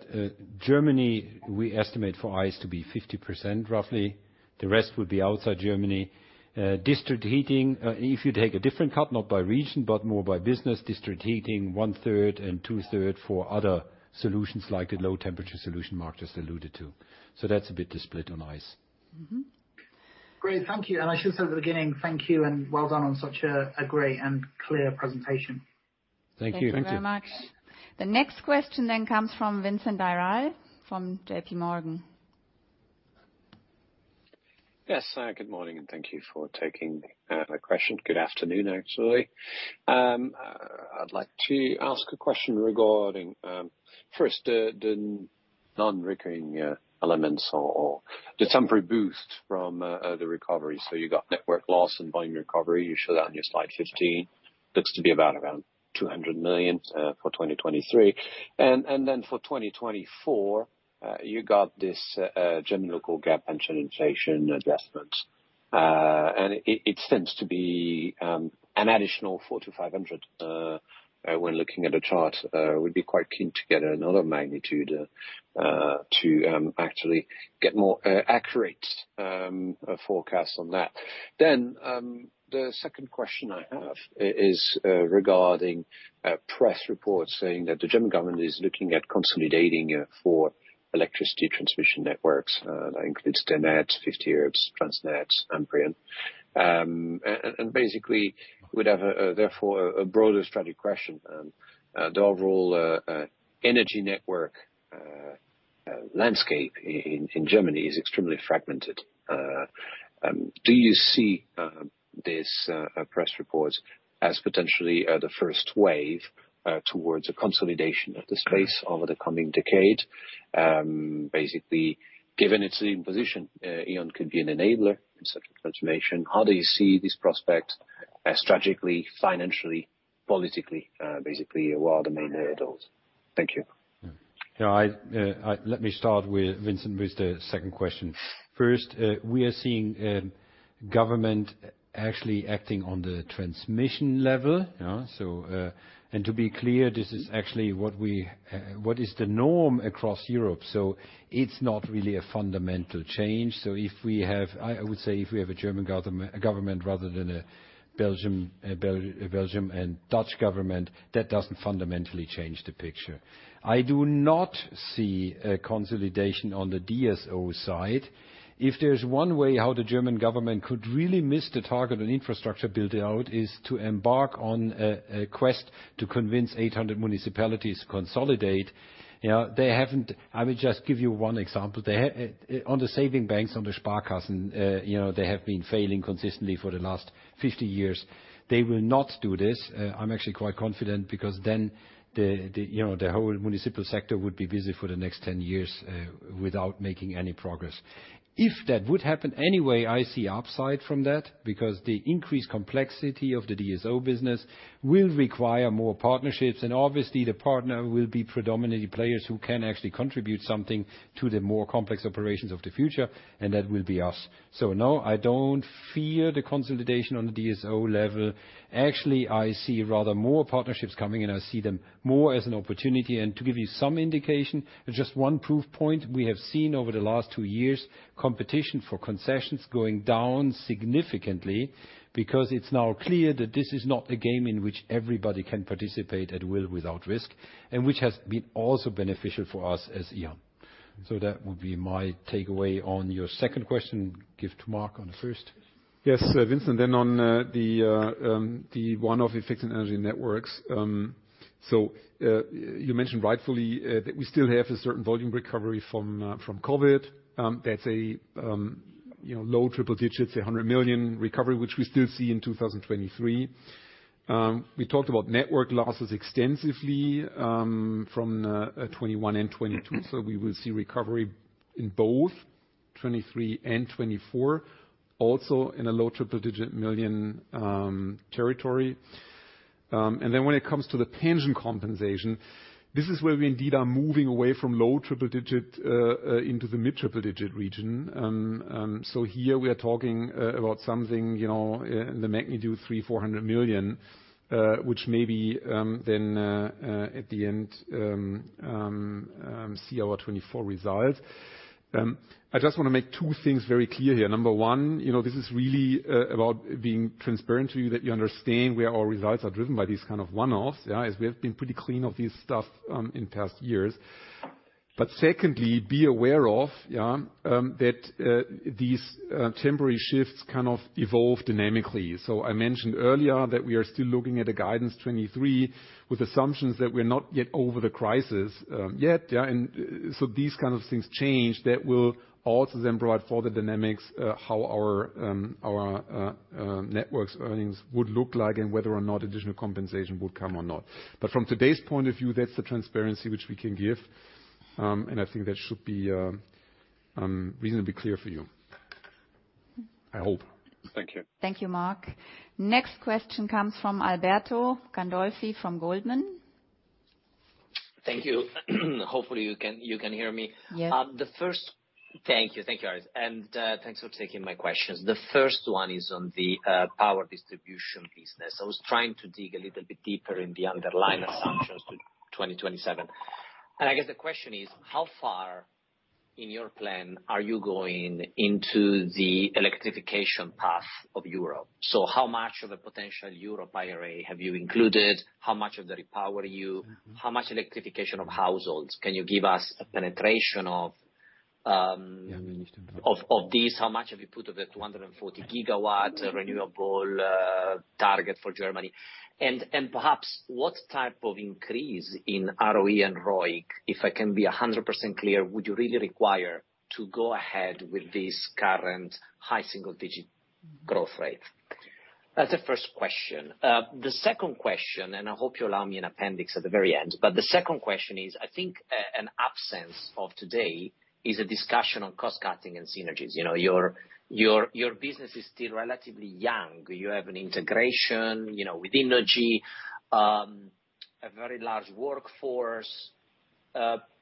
Germany, we estimate for EBIT to be 50% roughly. The rest would be outside Germany. District heating, if you take a different cut, not by region, but more by business, district heating 1/3 and 2/3 for other solutions like a low-temperature solution Marc just alluded to. That's a bit the split on EBIT. Mm-hmm. Great. Thank you. I should say at the beginning, thank you and well done on such a great and clear presentation. Thank you. Thank you very much. The next question then comes from Vincent Ayral from JPMorgan. Yes. Good morning, and thank you for taking my question. Good afternoon, actually. I'd like to ask a question regarding first, the non-recurring elements or the temporary boost from the recovery. You got network loss and volume recovery. You show that on your slide 15. Looks to be about around 200 million for 2023. Then for 2024, you got this German local gap pension inflation adjustment. It seems to be an additional 400-500 when looking at a chart. Would be quite keen to get another magnitude to actually get more accurate forecast on that. The second question I have is regarding press reports saying that the German government is looking at consolidating four electricity transmission networks, that includes TenneT, 50Hertz, TransnetBW, Amprion. Basically would have a, therefore, a broader strategic question. The overall energy network landscape in Germany is extremely fragmented. Do you see this press report as potentially the first wave towards a consolidation of the space over the coming decade? Basically, given its leading position, E.ON could be an enabler in such a transformation. How do you see this prospect as strategically, financially, politically, basically, what are the main hurdles? Thank you. Let me start with, Vincent, with the second question. First, we are seeing government actually acting on the transmission level. To be clear, this is actually what we, what is the norm across Europe. It's not really a fundamental change. If we have a German government, a government rather than a Belgium and Dutch government, that doesn't fundamentally change the picture. I do not see a consolidation on the DSO side. If there's one way how the German government could really miss the target on infrastructure build-out is to embark on a quest to convince 800 municipalities to consolidate. You know, I will just give you one example. On the saving banks, on the Sparkassen, you know, they have been failing consistently for the last 50 years. They will not do this. I'm actually quite confident because then the, you know, the whole municipal sector would be busy for the next 10 years, without making any progress. If that would happen anyway, I see upside from that because the increased complexity of the DSO business will require more partnerships, and obviously, the partner will be predominantly players who can actually contribute something to the more complex operations of the future, and that will be us. No, I don't fear the consolidation on the DSO level. Actually, I see rather more partnerships coming, and I see them more as an opportunity. To give you some indication, just one proof point, we have seen over the last two years, competition for concessions going down significantly because it's now clear that this is not a game in which everybody can participate at will without risk, and which has been also beneficial for us as E.ON. That would be my takeaway on your second question. Give to Marc on the first. Yes, Vincent, then on the one-off effects in Energy Networks. You mentioned rightfully that we still have a certain volume recovery from COVID. That's a, you know, low triple digits, a 100 million recovery, which we still see in 2023. We talked about network losses extensively from 2021 and 2022. We will see recovery in both 2023 and 2024, also in a EUR low triple-digit million territory. When it comes to the pension compensation, this is where we indeed are moving away from low triple digit into the mid triple-digit region. Here we are talking about something, the magnitude 300 million-EUR400 million, which maybe at the end see our 2024 results. I just wanna make two things very clear here. Number one, this is really about being transparent to you, that you understand where our results are driven by these kind of one-offs. We have been pretty clean of this stuff in past years. Secondly, be aware that these temporary shifts kind of evolve dynamically. I mentioned earlier that we are still looking at a guidance 2023 with assumptions that we're not yet over the crisis. These kind of things change that will also then provide for the dynamics, how our Energy Networks earnings would look like and whether or not additional compensation would come or not. From today's point of view, that's the transparency which we can give. I think that should be reasonably clear for you. I hope. Thank you. Thank you, Marc. Next question comes from Alberto Gandolfi from Goldman. Thank you. Hopefully, you can hear me. Yes. Thank you. Thank you, guys, and thanks for taking my questions. The first one is on the power distribution business. I was trying to dig a little bit deeper in the underlying assumptions to 2027. I guess the question is, how far in your plan are you going into the electrification path of Europe? How much of a potential Europe IRA have you included? How much of the REPowerEU? How much electrification of households? Can you give us a penetration of this? How much have you put of the 240 GW renewable target for Germany? Perhaps what type of increase in ROE and ROIC, if I can be 100% clear, would you really require to go ahead with this current high single-digit growth rate? That's the first question. The second question, I hope you allow me an appendix at the very end. The second question is, I think, an absence of today is a discussion on cost-cutting and synergies. You know, your, your business is still relatively young. You have an integration, you know, with Innogy, a very large workforce.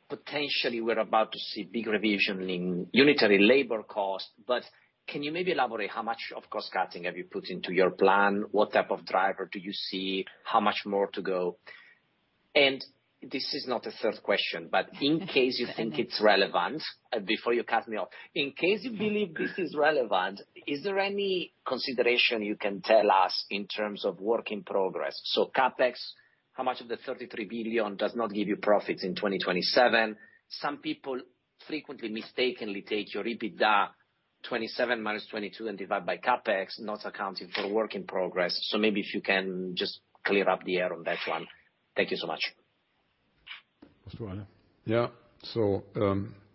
Potentially we're about to see big revision in unitary labor costs, can you maybe elaborate how much of cost-cutting have you put into your plan? What type of driver do you see? How much more to go? This is not a third question, in case you think it's relevant, before you cut me off, in case you believe this is relevant, is there any consideration you can tell us in terms of work in progress? CapEx, how much of the 33 billion does not give you profits in 2027? Some people frequently mistakenly take your EBITDA, 27 minus 22, and divide by CapEx, not accounting for work in progress. Maybe if you can just clear up the air on that one. Thank you so much. Yeah.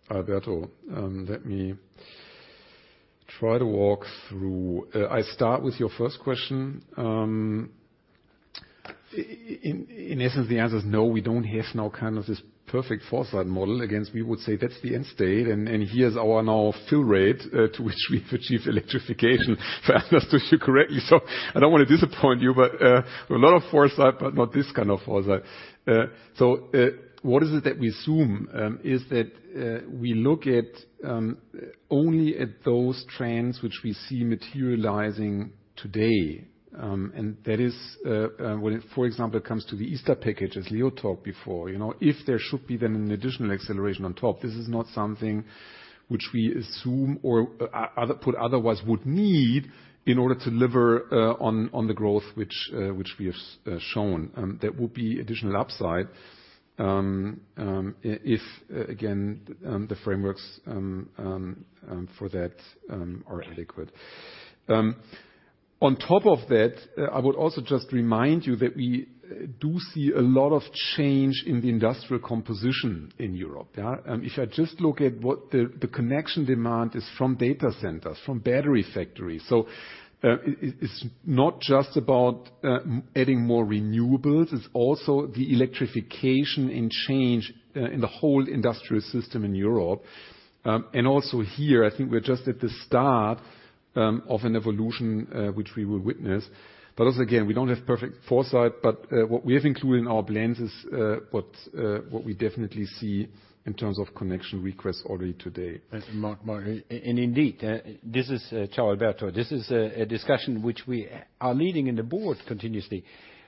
Alberto, let me try to walk through... I start with your first question. In essence, the answer is no, we don't have now kind of this perfect foresight model. Again, we would say that's the end state, and here's our now fill rate, to which we've achieved electrification, if I understood you correctly. I don't want to disappoint you, but we have a lot of foresight, but not this kind of foresight. What is it that we assume is that we look at only at those trends which we see materializing today. That is, when, for example, it comes to the Easter Package, as Leo talked before, you know, if there should be then an additional acceleration on top, this is not something which we assume or otherwise would need in order to deliver on the growth which we have shown. That would be additional upside if, again, the frameworks for that are adequate. On top of that, I would also just remind you that we do see a lot of change in the industrial composition in Europe. Yeah. If I just look at what the connection demand is from data centers, from battery factories. It's not just about adding more renewables, it's also the electrification and change in the whole industrial system in Europe. Also here, I think we're just at the start of an evolution which we will witness. Also, again, we don't have perfect foresight, but what we have included in our plans is what we definitely see in terms of connection requests already today. Thanks, Marc. Indeed, this is, Alberto, this is a discussion which we are leading in the board continuously.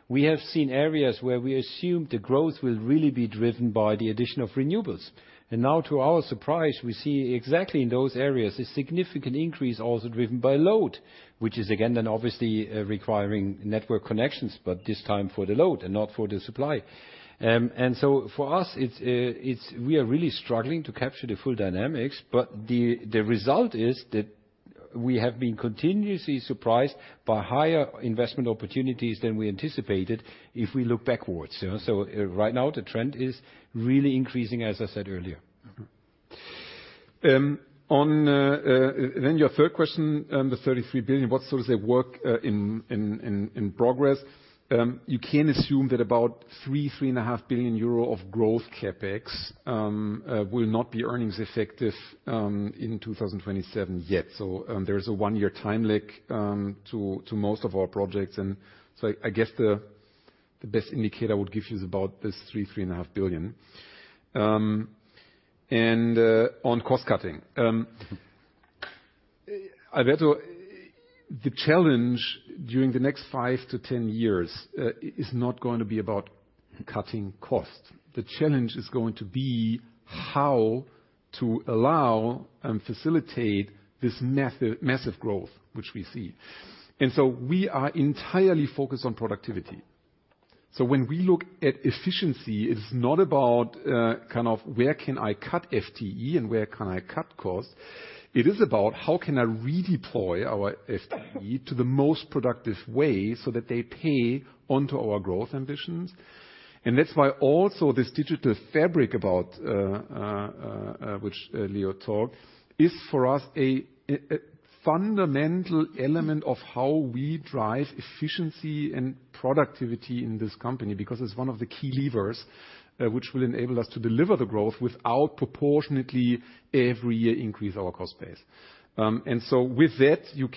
We have seen areas where we assume the growth will really be driven by the addition of renewables. Now, to our surprise, we see exactly in those areas a significant increase also driven by load, which is again, then obviously requiring network connections, but this time for the load and not for the supply. For us, it's we are really struggling to capture the full dynamics, but the result is that we have been continuously surprised by higher investment opportunities than we anticipated if we look backwards. Right now, the trend is really increasing, as I said earlier. On your third question, the 33 billion, what sort of work in progress? You can assume that about 3 billion-3.5 billion euro of growth CapEx will not be earnings effective in 2027 yet. There is a one-year time lag to most of our projects. I guess the best indicator I would give you is about this 3 billion-3.5 billion. On cost-cutting. Alberto, the challenge during the next five to 10 years is not going to be about cutting costs. The challenge is going to be how to allow and facilitate this massive growth which we see. We are entirely focused on productivity. When we look at efficiency, it's not about, kind of where can I cut FTE and where can I cut costs. It is about how can I redeploy our FTE to the most productive way so that they pay onto our growth ambitions. That's why also this digital fabric about, which Leo talked, is for us a fundamental element of how we drive efficiency and productivity in this company. It's one of the key levers, which will enable us to deliver the growth without proportionately every year increase our cost base. With that, you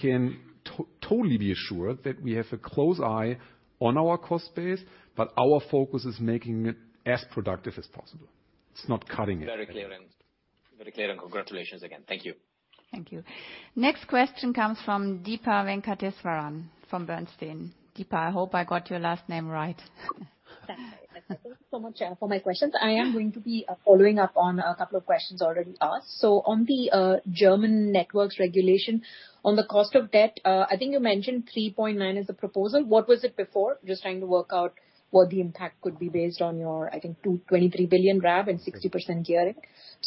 totally be assured that we have a close eye on our cost base, but our focus is making it as productive as possible. It's not cutting it. Very clear and congratulations again. Thank you. Thank you. Next question comes from Deepa Venkateswaran from Bernstein. Deepa, I hope I got your last name right. That's right. Thank you so much for my questions. I am going to be following up on a couple of questions already asked. On the German networks regulation, on the cost of debt, I think you mentioned 3.9 is the proposal. What was it before? Just trying to work out what the impact could be based on your, I think, 23 billion RAB and 60% gear it.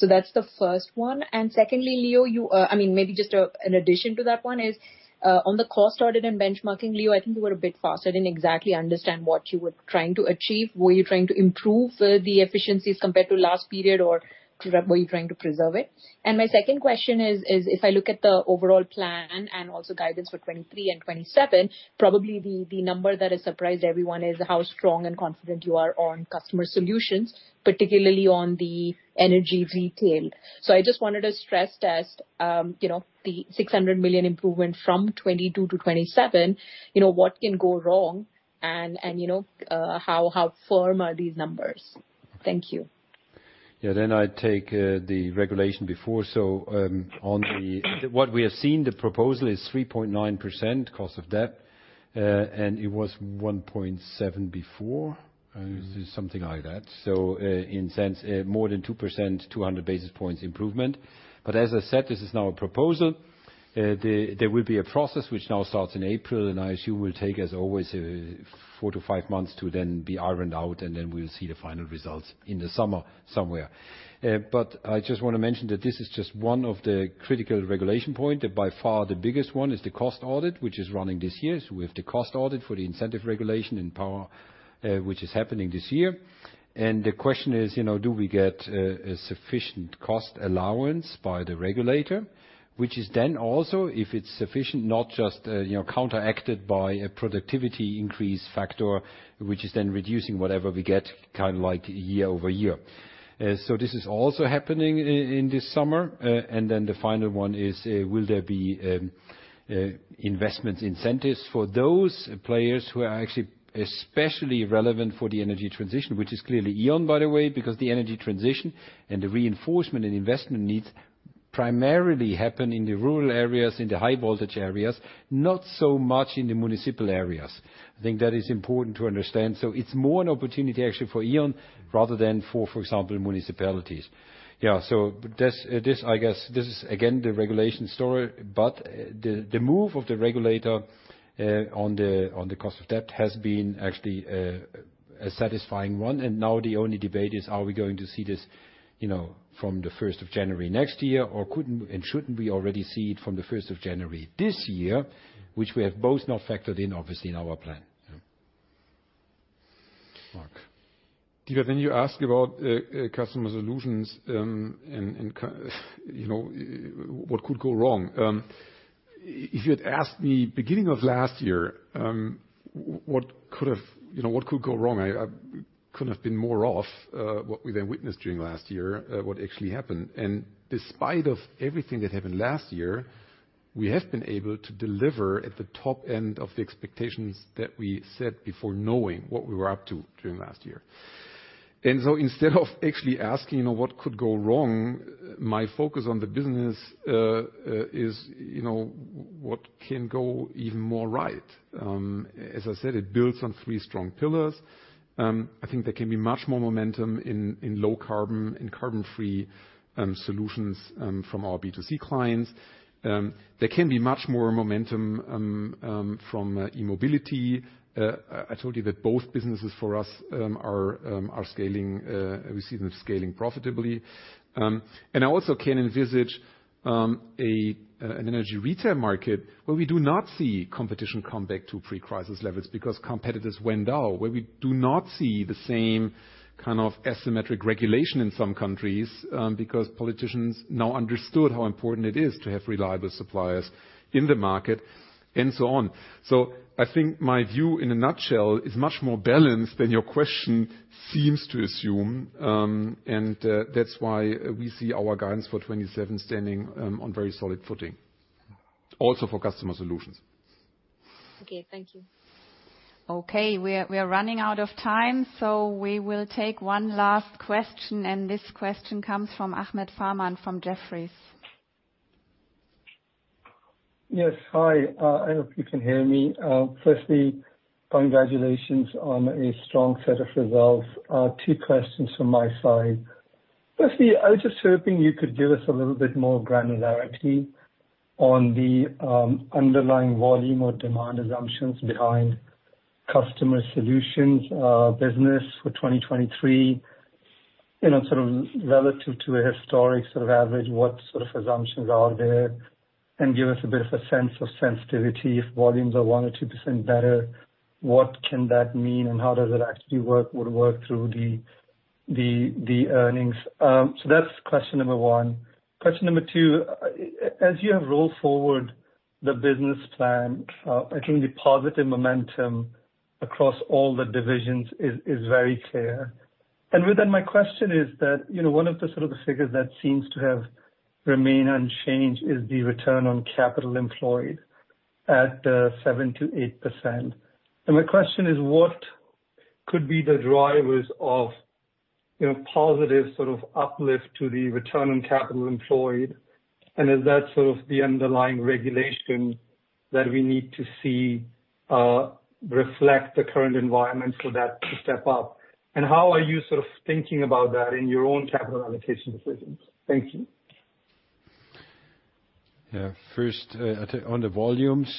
That's the first one. Secondly, Leo, you, I mean, maybe just an addition to that one is, on the cost audit and benchmarking, Leo, I think you were a bit fast. I didn't exactly understand what you were trying to achieve. Were you trying to improve the efficiencies compared to last period, or were you trying to preserve it? My second question is if I look at the overall plan and also guidance for 2023 and 2027, probably the number that has surprised everyone is how strong and confident you are on Customer Solutions, particularly on the energy retail. So I just wanted a stress test, you know, the 600 million improvement from 2022 to 2027, you know, what can go wrong and you know, how firm are these numbers? Thank you. Yeah. I take the regulation before. On the What we have seen, the proposal is 3.9% cost of debt, and it was 1.7% before. Something like that. In sense, more than 2%, 200 basis points improvement. As I said, this is now a proposal. There will be a process which now starts in April, and I assume will take, as always, four to five months to then be ironed out, and then we'll see the final results in the summer somewhere. I just wanna mention that this is just one of the critical regulation point. By far, the biggest one is the cost audit, which is running this year. We have the cost audit for the Incentive Regulation in power, which is happening this year. The question is, you know, do we get a sufficient cost allowance by the regulator, which is then also, if it's sufficient, not just, you know, counteracted by a productivity increase factor, which is then reducing whatever we get, kind of like year-over-year. This is also happening in this summer. The final one is, will there be investment incentives for those players who are actually especially relevant for the energy transition, which is clearly E.ON, by the way, because the energy transition and the reinforcement and investment needs primarily happen in the rural areas, in the high voltage areas, not so much in the municipal areas. I think that is important to understand. It's more an opportunity actually for E.ON rather than for example, municipalities. Yeah. This, I guess, this is again the regulation story, but the move of the regulator on the cost of debt has been actually a satisfying one. Now the only debate is, are we going to see this, you know, from the first of January next year, or could and shouldn't we already see it from the first of January this year? Which we have both now factored in, obviously, in our plan. Yeah. Marc. Deepa, then you ask about Customer Solutions, and you know, what could go wrong. If you'd asked me beginning of last year, what could have, you know, what could go wrong? I couldn't have been more off, what we then witnessed during last year, what actually happened. Despite of everything that happened last year, we have been able to deliver at the top end of the expectations that we set before knowing what we were up to during last year. Instead of actually asking, you know, what could go wrong, my focus on the business is, you know, what can go even more right. As I said, it builds on three strong pillars. I think there can be much more momentum in low carbon and carbon free solutions from our B2C clients. There can be much more momentum from e-mobility. I told you that both businesses for us are scaling, we see them scaling profitably. I also can envisage an energy retail market where we do not see competition come back to pre-crisis levels because competitors went out, where we do not see the same kind of asymmetric regulation in some countries, because politicians now understood how important it is to have reliable suppliers in the market and so on. I think my view in a nutshell is much more balanced than your question seems to assume. That's why we see our guidance for 2027 standing on very solid footing, also for Customer Solutions. Okay. Thank you. Okay, we are running out of time, so we will take one last question, and this question comes from Ahmed Farman from Jefferies. Yes. Hi, I hope you can hear me. Firstly, congratulations on a strong set of results. Two questions from my side. Firstly, I was just hoping you could give us a little bit more granularity on the underlying volume or demand assumptions behind Customer Solutions business for 2023. You know, sort of relative to a historic sort of average, what sort of assumptions are there? Give us a bit of a sense of sensitivity. If volumes are 1% or 2% better, what can that mean and how does it actually would work through the earnings? That's question number one. Question number two, as you have rolled forward the business plan, I think the positive momentum across all the divisions is very clear. With that, my question is that, you know, one of the sort of the figures that seems to have remained unchanged is the Return on Capital Employed at 7%-8%. My question is, what could be the drivers of, you know, positive sort of uplift to the Return on Capital Employed? Is that sort of the underlying regulation that we need to see reflect the current environment for that to step up? How are you sort of thinking about that in your own capital allocation decisions? Thank you. Yeah. First, on the volumes,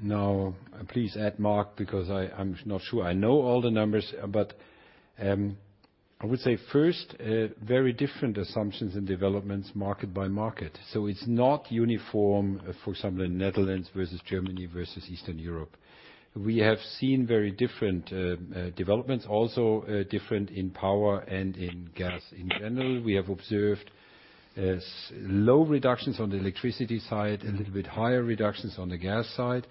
now please add Marc, because I'm not sure I know all the numbers, but, I would say first, very different assumptions and developments market by market. It's not uniform, for example, in Netherlands versus Germany versus Eastern Europe. We have seen very different developments, also, different in power and in gas. In general, we have observed low reductions on the electricity side, a little bit higher reductions on the gas side.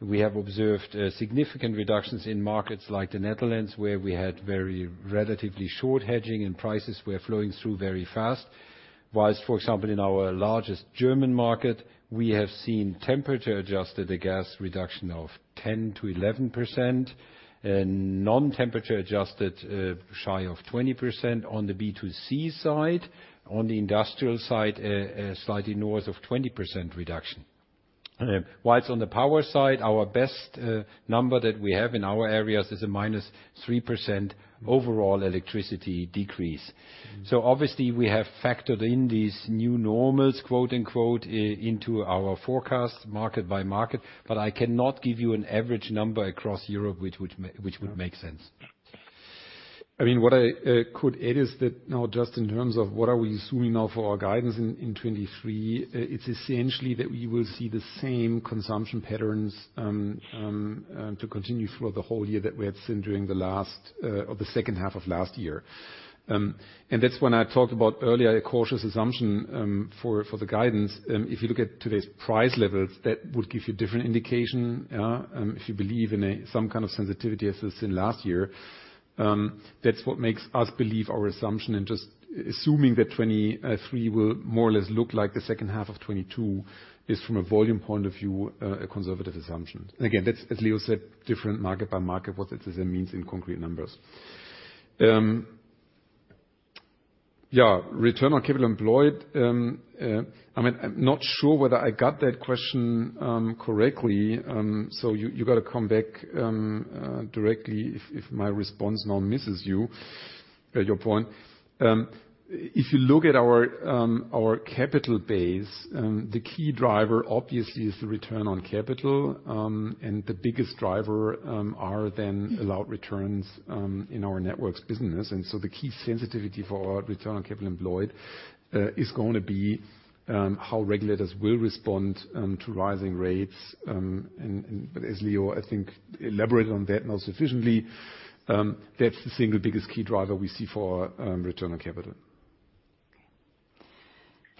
We have observed significant reductions in markets like the Netherlands, where we had very relatively short hedging and prices were flowing through very fast. Whilst, for example, in our largest German market, we have seen temperature-adjusted gas reduction of 10%-11%. Non-temperature adjusted, shy of 20% on the B2C side. On the industrial side, slightly north of 20% reduction. Whilst on the power side, our best number that we have in our areas is a minus 3% overall electricity decrease. Obviously we have factored in these new "normals" into our forecast market by market, but I cannot give you an average number across Europe, which would make sense. I mean, what I could add is that now just in terms of what are we assuming now for our guidance in 2023, it's essentially that we will see the same consumption patterns to continue throughout the whole year that we have seen during the last or the second half of last year. That's when I talked about earlier, a cautious assumption for the guidance. If you look at today's price levels, that would give you different indication if you believe in a some kind of sensitivity as it's in last year. That's what makes us believe our assumption and just assuming that 2023 will more or less look like the second half of 2022 is from a volume point of view, a conservative assumption. That's, as Leo said, different market by market, what that does and means in concrete numbers. Yeah, Return on Capital Employed, I mean, I'm not sure whether I got that question correctly. You gotta come back directly if my response now misses you, your point. If you look at our capital base, the key driver obviously is the return on capital. The biggest driver are then allowed returns in our networks business. The key sensitivity for our Return on Capital Employed is gonna be how regulators will respond to rising rates. But as Leo, I think elaborated on that most efficiently, that's the single biggest key driver we see for return on capital.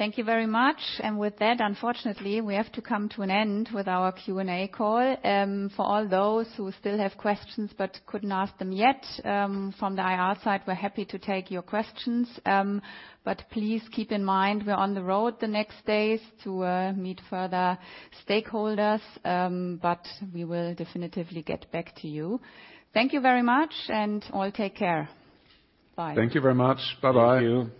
Thank you very much. With that, unfortunately, we have to come to an end with our Q&A call. For all those who still have questions but couldn't ask them yet, from the IR side, we're happy to take your questions. Please keep in mind we're on the road the next days to meet further stakeholders, but we will definitively get back to you. Thank you very much, and all take care. Bye. Thank you very much. Bye-bye. Thank you.